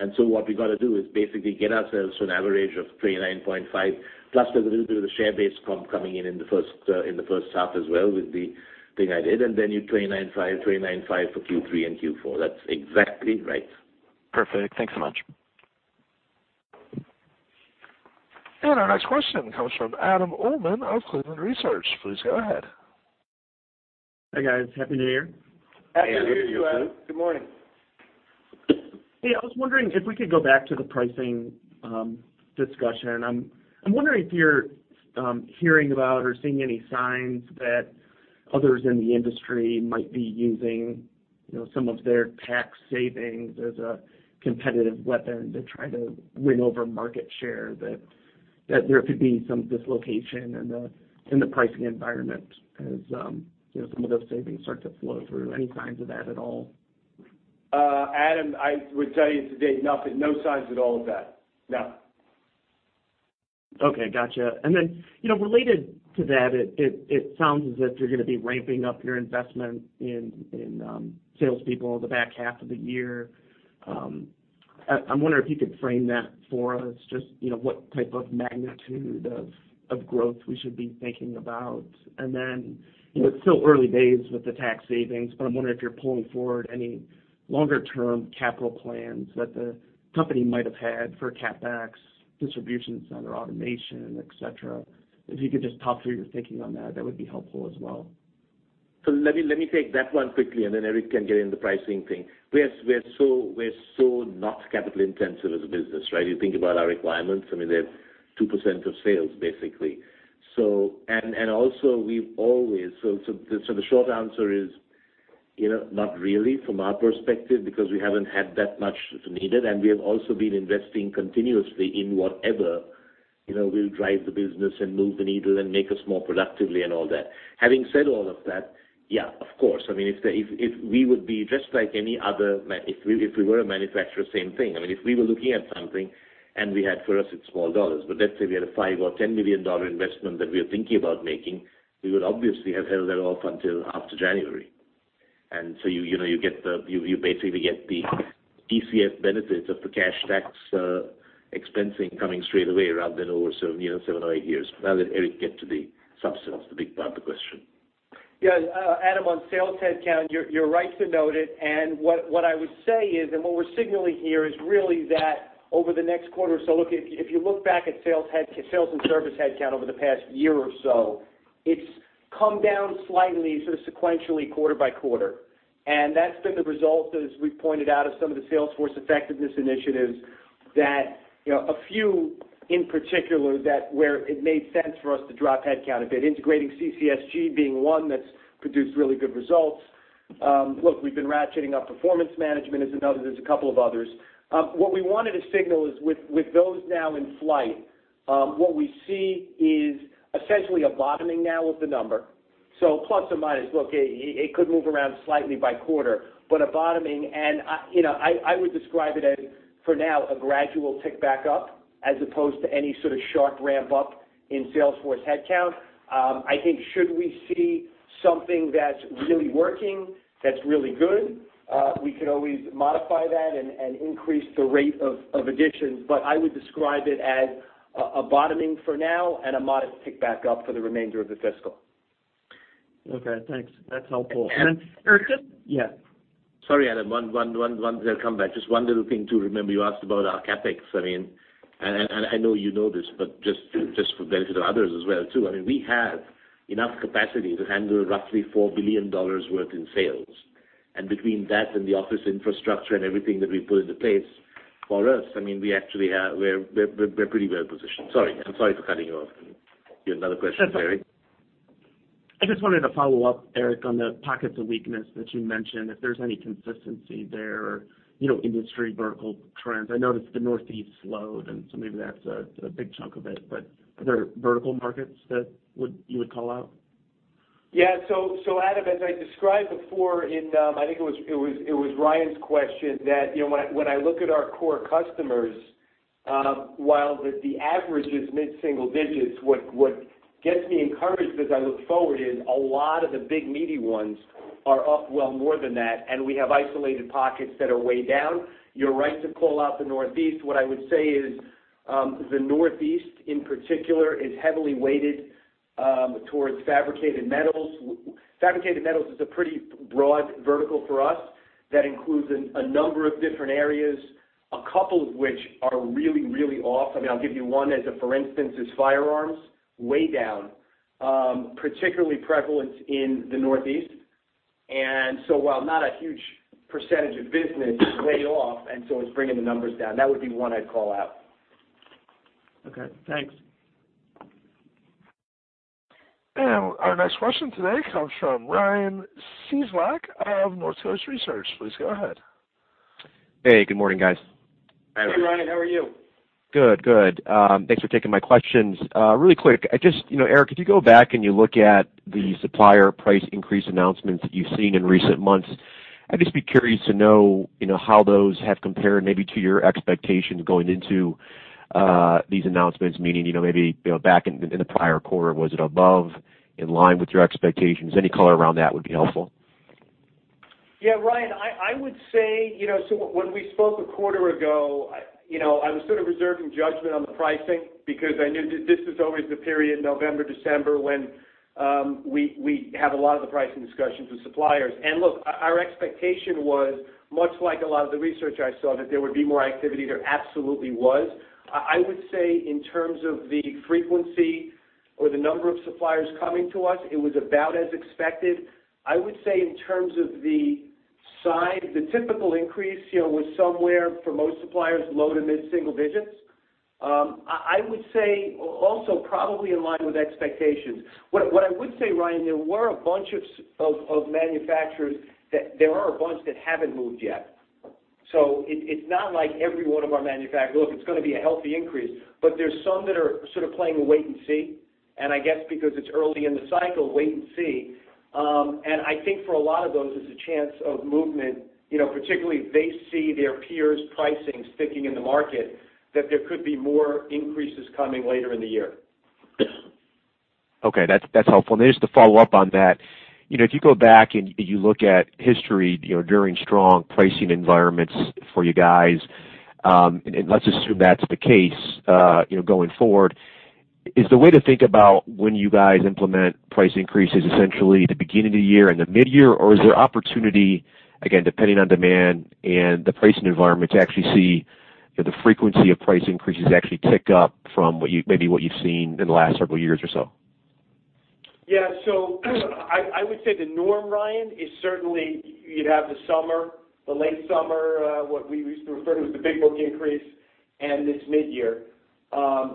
D: What we got to do is basically get ourselves to an average of 29.5, plus there's a little bit of the share-based comp coming in in the first half as well with the thing I did. Your 29.5 for Q3 and Q4. That's exactly right.
I: Perfect. Thanks so much.
A: Our next question comes from Adam Uhlman of Cleveland Research. Please go ahead.
J: Hey, guys. Happy New Year.
C: Happy New Year to you, Adam. Good morning.
J: Hey, I was wondering if we could go back to the pricing discussion. I'm wondering if you're hearing about or seeing any signs that others in the industry might be using some of their tax savings as a competitive weapon to try to win over market share, that there could be some dislocation in the pricing environment as some of those savings start to flow through. Any signs of that at all?
C: Adam, I would tell you to date nothing, no signs at all of that. No.
J: Okay, got you. Related to that, it sounds as if you're going to be ramping up your investment in salespeople the back half of the year. I'm wondering if you could frame that for us, just what type of magnitude of growth we should be thinking about. It's still early days with the tax savings, but I'm wondering if you're pulling forward any longer-term capital plans that the company might have had for CapEx distributions under automation, et cetera. If you could just talk through your thinking on that would be helpful as well.
D: Let me take that one quickly, and then Erik can get into the pricing thing. We're so not capital intensive as a business, right? You think about our requirements, they're 2% of sales basically. The short answer is not really from our perspective, because we haven't had that much needed, and we have also been investing continuously in whatever will drive the business and move the needle and make us more productive and all that. Having said all of that, yeah, of course. If we were a manufacturer, same thing. If we were looking at something and we had for us it's small dollars, but let's say we had a $5 or $10 million investment that we are thinking about making, we would obviously have held that off until after January. You basically get the TCJA benefits of the cash tax expensing coming straight away rather than over seven or eight years. Let Erik get to the substance, the big part of the question.
C: Yeah. Adam, on sales headcount, you're right to note it, what I would say is, what we're signaling here is really that over the next quarter or so. If you look back at sales and service headcount over the past year or so, it's come down slightly, sort of sequentially quarter by quarter. That's been the result, as we've pointed out, of some of the salesforce effectiveness initiatives that a few in particular, where it made sense for us to drop headcount a bit, integrating CCSG being one that's produced really good results. Look, we've been ratcheting up performance management is another. There's a couple of others. What we wanted to signal is with those now in flight, what we see is essentially a bottoming now of the number. Plus or minus. It could move around slightly by quarter, a bottoming, and I would describe it as, for now, a gradual tick back up as opposed to any sort of sharp ramp-up in sales force headcount. I think should we see something that's really working, that's really good, we could always modify that and increase the rate of additions. I would describe it as a bottoming for now and a modest tick back up for the remainder of the fiscal.
J: Thanks. That's helpful.
C: Erik-
J: Yeah.
D: Sorry, Adam Uhlman. One little comeback. Just one little thing to remember. You asked about our CapEx. I know you know this, just for benefit of others as well too. We have enough capacity to handle roughly $4 billion worth in sales. Between that and the office infrastructure and everything that we put into place for us, we're pretty well positioned. Sorry for cutting you off. You had another question, Erik Gershwind?
J: That's okay. I just wanted to follow up, Erik, on the pockets of weakness that you mentioned, if there's any consistency there or industry vertical trends. I noticed the Northeast slowed, maybe that's a big chunk of it. Are there vertical markets that you would call out?
C: Yeah. Adam, as I described before in, I think it was Ryan's question that when I look at our core customers, while the average is mid-single digits, what gets me encouraged as I look forward is a lot of the big meaty ones are up well more than that. We have isolated pockets that are way down. You're right to call out the Northeast. What I would say is the Northeast in particular is heavily weighted towards fabricated metals. Fabricated metals is a pretty broad vertical for us that includes a number of different areas, a couple of which are really off. I'll give you one as a for instance, is firearms, way down. Particularly prevalent in the Northeast. While not a huge percentage of business, it's way off, it's bringing the numbers down. That would be one I'd call out.
J: Okay, thanks.
A: Our next question today comes from Ryan Cieslak of Northcoast Research. Please go ahead.
K: Hey, good morning, guys.
C: Hey, Ryan, how are you?
K: Good. Thanks for taking my questions. Really quick, Erik, if you go back and you look at the supplier price increase announcements that you've seen in recent months, I'd just be curious to know how those have compared maybe to your expectations going into these announcements. Meaning, maybe back in the prior quarter, was it above, in line with your expectations? Any color around that would be helpful.
C: Yeah, Ryan, I would say when we spoke a quarter ago, I was sort of reserving judgment on the pricing because I knew that this was always the period, November, December, when we have a lot of the pricing discussions with suppliers. Look, our expectation was much like a lot of the research I saw, that there would be more activity. There absolutely was. I would say in terms of the frequency or the number of suppliers coming to us, it was about as expected. I would say in terms of the size, the typical increase was somewhere for most suppliers, low to mid-single digits. I would say also probably in line with expectations. What I would say, Ryan, there were a bunch of manufacturers that haven't moved yet. It's not like every one of our manufacturers. Look, it's going to be a healthy increase, but there's some that are sort of playing a wait and see, I guess because it's early in the cycle, wait and see. I think for a lot of those, there's a chance of movement, particularly if they see their peers' pricing sticking in the market, that there could be more increases coming later in the year.
K: Okay. That's helpful. Just to follow up on that, if you go back and you look at history during strong pricing environments for you guys, and let's assume that's the case going forward, is the way to think about when you guys implement price increases, essentially the beginning of the year and the midyear? Or is there opportunity, again, depending on demand and the pricing environment, to actually see the frequency of price increases actually tick up from maybe what you've seen in the last several years or so.
C: Yeah. I would say the norm, Ryan, is certainly you'd have the summer, the late summer, what we used to refer to as the big book increase and this midyear.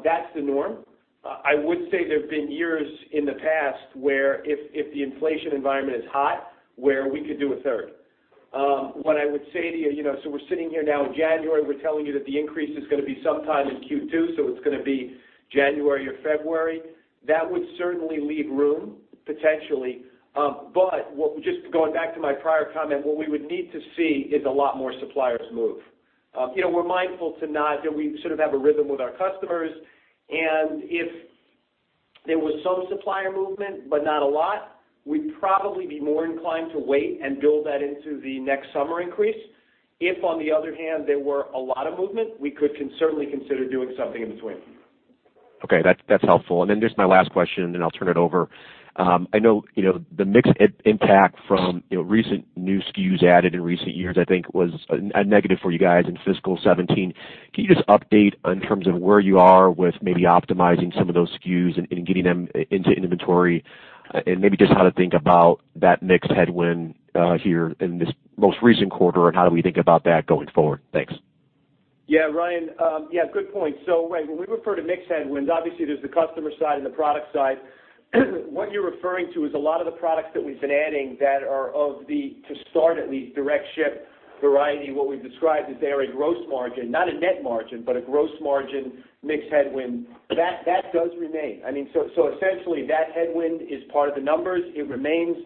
C: That's the norm. I would say there have been years in the past where if the inflation environment is hot, where we could do a third. What I would say to you, we're sitting here now in January, we're telling you that the increase is going to be sometime in Q2, so it's going to be January or February. That would certainly leave room, potentially. Just going back to my prior comment, what we would need to see is a lot more suppliers move. We're mindful that we sort of have a rhythm with our customers. If there was some supplier movement, but not a lot, we'd probably be more inclined to wait and build that into the next summer increase. If, on the other hand, there were a lot of movement, we could certainly consider doing something in between.
K: Okay. That's helpful. Just my last question, then I'll turn it over. I know the mix impact from recent new SKUs added in recent years, I think was a negative for you guys in fiscal 2017. Can you just update in terms of where you are with maybe optimizing some of those SKUs and getting them into inventory and maybe just how to think about that mix headwind here in this most recent quarter, and how do we think about that going forward? Thanks.
C: Yeah, Ryan. Good point. Right, when we refer to mix headwinds, obviously, there's the customer side and the product side. What you're referring to is a lot of the products that we've been adding that are of the, to start at least, direct ship variety, what we've described as they're a gross margin, not a net margin, but a gross margin mix headwind. That does remain. Essentially, that headwind is part of the numbers. It remains.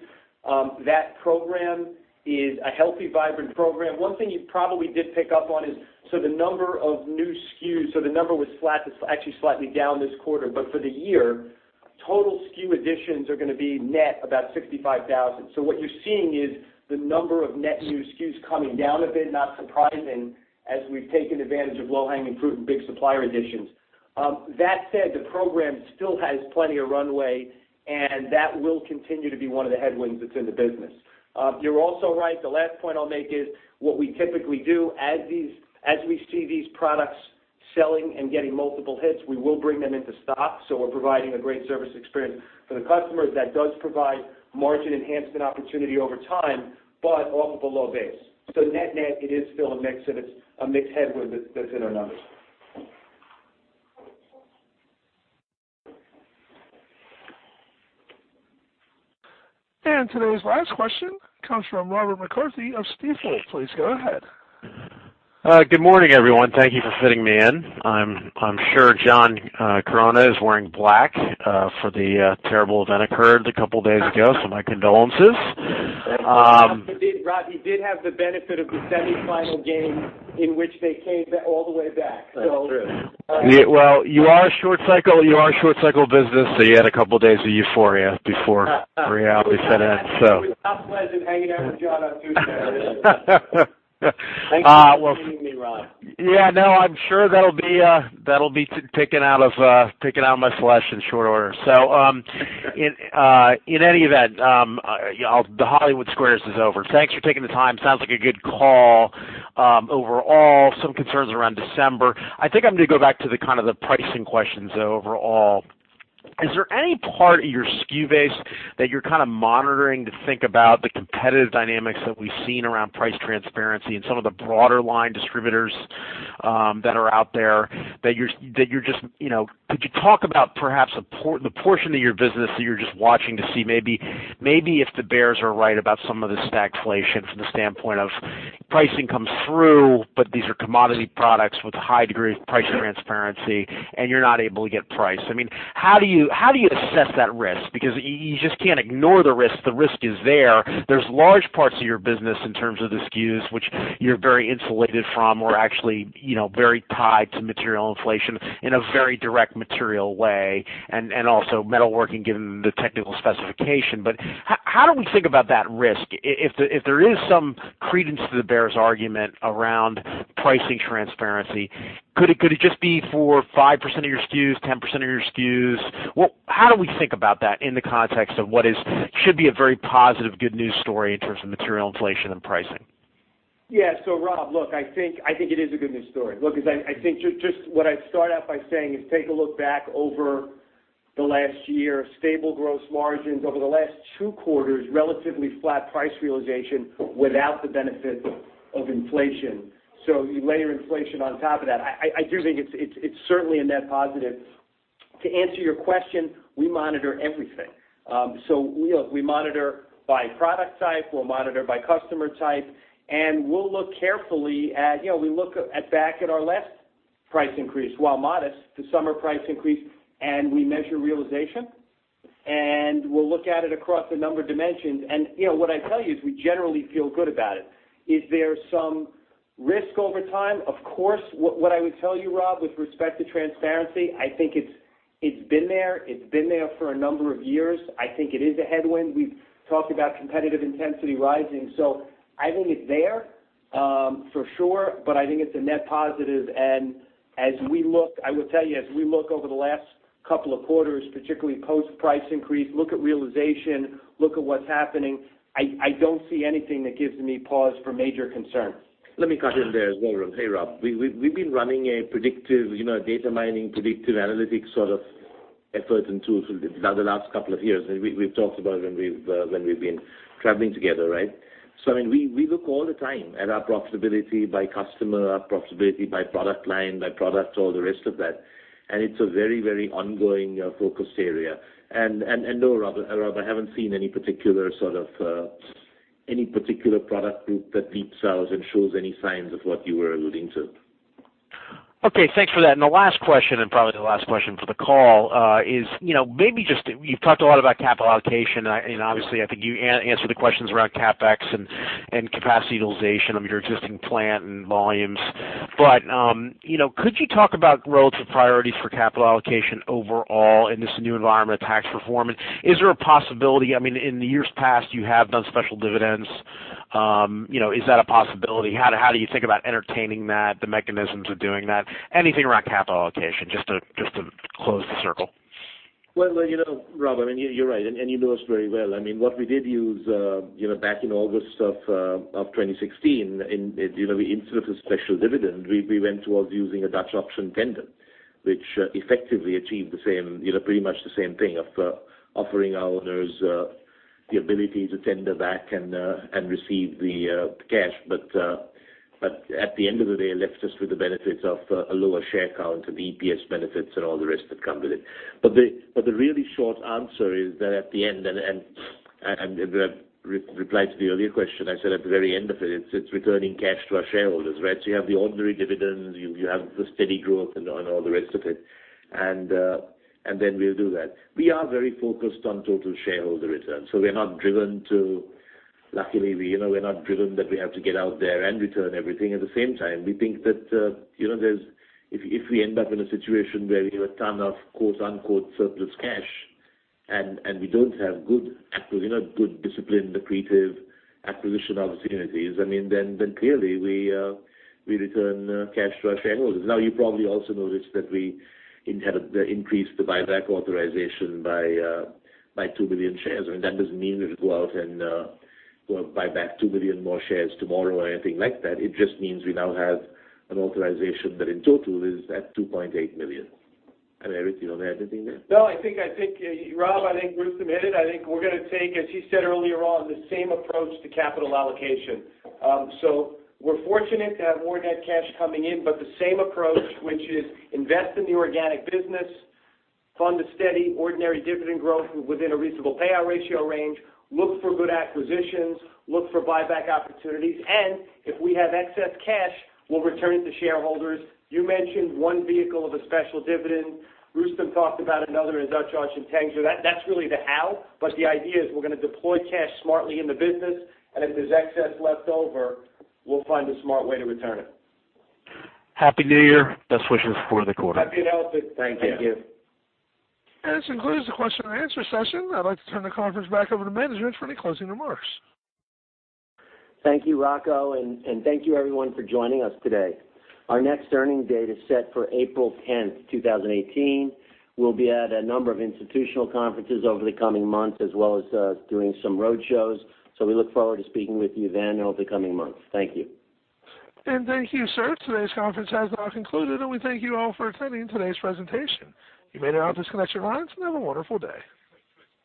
C: That program is a healthy, vibrant program. One thing you probably did pick up on is, the number of new SKUs, the number was actually slightly down this quarter. But for the year, total SKU additions are going to be net about 65,000. What you're seeing is the number of net new SKUs coming down a bit, not surprising, as we've taken advantage of low-hanging fruit and big supplier additions. That said, the program still has plenty of runway, and that will continue to be one of the headwinds that's in the business. You're also right, the last point I'll make is what we typically do as we see these products selling and getting multiple hits, we will bring them into stock, so we're providing a great service experience for the customers. That does provide margin enhancement opportunity over time, but off of a low base. Net-net, it is still a mix, and it's a mix headwind that's in our numbers.
A: Today's last question comes from Robert McCarthy of Stifel. Please go ahead.
L: Good morning, everyone. Thank you for fitting me in. I'm sure John Chironna is wearing black for the terrible event occurred a couple of days ago. My condolences.
C: Rob, he did have the benefit of the semifinal game in which they came all the way back.
L: That's true. Well, you are a short-cycle business. You had a couple of days of euphoria before reality set in.
C: It was pleasant hanging out with John on Tuesday. Thank you for fitting me in, Rob.
L: No, I'm sure that'll be taken out of my flesh in short order. In any event, the Hollywood Squares is over. Thanks for taking the time. Sounds like a good call overall. Some concerns around December. I think I'm going to go back to the kind of the pricing questions overall. Is there any part of your SKU base that you're kind of monitoring to think about the competitive dynamics that we've seen around price transparency and some of the broader line distributors that are out there? Could you talk about perhaps the portion of your business that you're just watching to see maybe if the bears are right about some of the stagflation from the standpoint of pricing comes through, but these are commodity products with a high degree of price transparency, and you're not able to get price. How do you assess that risk? You just can't ignore the risk. The risk is there. There's large parts of your business in terms of the SKUs, which you're very insulated from or actually very tied to material inflation in a very direct material way, and also metalworking given the technical specification. How do we think about that risk? If there is some credence to the bears argument around pricing transparency, could it just be for 5% of your SKUs, 10% of your SKUs? How do we think about that in the context of what should be a very positive good news story in terms of material inflation and pricing?
C: Rob, look, I think it is a good news story. I think just what I'd start out by saying is take a look back over the last year, stable gross margins. Over the last two quarters, relatively flat price realization without the benefit of inflation. You layer inflation on top of that. I do think it's certainly a net positive. To answer your question, we monitor everything. We monitor by product type, we'll monitor by customer type, and we'll look carefully at we look back at our last price increase, while modest, the summer price increase, and we measure realization, and we'll look at it across a number of dimensions. And what I tell you is we generally feel good about it. Is there some risk over time? Of course. What I would tell you, Rob, with respect to transparency, I think it's been there. It's been there for a number of years. I think it is a headwind. We've talked about competitive intensity rising. I think it's there for sure, but I think it's a net positive. As we look, I will tell you, as we look over the last couple of quarters, particularly post price increase, look at realization, look at what's happening. I don't see anything that gives me pause for major concern.
D: Let me cut in there as well, Rob. Hey, Rob. We've been running a data mining, predictive analytics sort of effort and tool for the last couple of years. We've talked about it when we've been traveling together, right? We look all the time at our profitability by customer, our profitability by product line, by product, all the rest of that. It's a very ongoing focused area. No, Rob, I haven't seen any particular product group that deep sells and shows any signs of what you were alluding to.
L: Okay. Thanks for that. The last question, probably the last question for the call is, you've talked a lot about capital allocation. Obviously, I think you answered the questions around CapEx and capacity utilization of your existing plant and volumes. Could you talk about relative priorities for capital allocation overall in this new environment of tax reform? Is there a possibility, I mean, in the years past, you have done special dividends. Is that a possibility? How do you think about entertaining that, the mechanisms of doing that? Anything around capital allocation, just to close the circle.
D: Well, Rob, you're right. You know us very well. What we did use back in August of 2016, instead of a special dividend, we went towards using a Dutch auction tender, which effectively achieved pretty much the same thing of offering our owners the ability to tender back and receive the cash. At the end of the day, it left us with the benefits of a lower share count and the EPS benefits and all the rest that come with it. The really short answer is that at the end, the reply to the earlier question I said at the very end of it's returning cash to our shareholders, right? You have the ordinary dividends, you have the steady growth and all the rest of it. Then we'll do that. We are very focused on total shareholder returns. We're not driven to, luckily, we're not driven that we have to get out there and return everything. At the same time, we think that if we end up in a situation where we have a ton of quote-unquote "surplus cash," and we don't have good discipline, accretive acquisition opportunities, then clearly we return cash to our shareholders. You probably also noticed that we had increased the buyback authorization by 2 million shares. That doesn't mean we'll go out and go buy back 2 billion more shares tomorrow or anything like that. It just means we now have an authorization that in total is at 2.8 million. Erik, you want to add anything there?
C: No, I think, Rob, I think Rustom hit it. I think we're going to take, as he said earlier on, the same approach to capital allocation. We're fortunate to have more net cash coming in, the same approach, which is invest in the organic business, fund a steady ordinary dividend growth within a reasonable payout ratio range, look for good acquisitions, look for buyback opportunities, and if we have excess cash, we'll return it to shareholders. You mentioned one vehicle of a special dividend. Rustom talked about another, a Dutch auction tender. That's really the how, the idea is we're going to deploy cash smartly in the business, and if there's excess left over, we'll find a smart way to return it.
L: Happy New Year. Best wishes for the quarter.
C: Happy healthy. Thank you.
D: Thank you.
A: This concludes the question and answer session. I'd like to turn the conference back over to management for any closing remarks.
B: Thank you, Rocco, and thank you everyone for joining us today. Our next earnings date is set for April 10th, 2018. We'll be at a number of institutional conferences over the coming months, as well as doing some road shows. We look forward to speaking with you then over the coming months. Thank you.
A: Thank you, sir. Today's conference has now concluded, and we thank you all for attending today's presentation. You may now disconnect your lines, and have a wonderful day.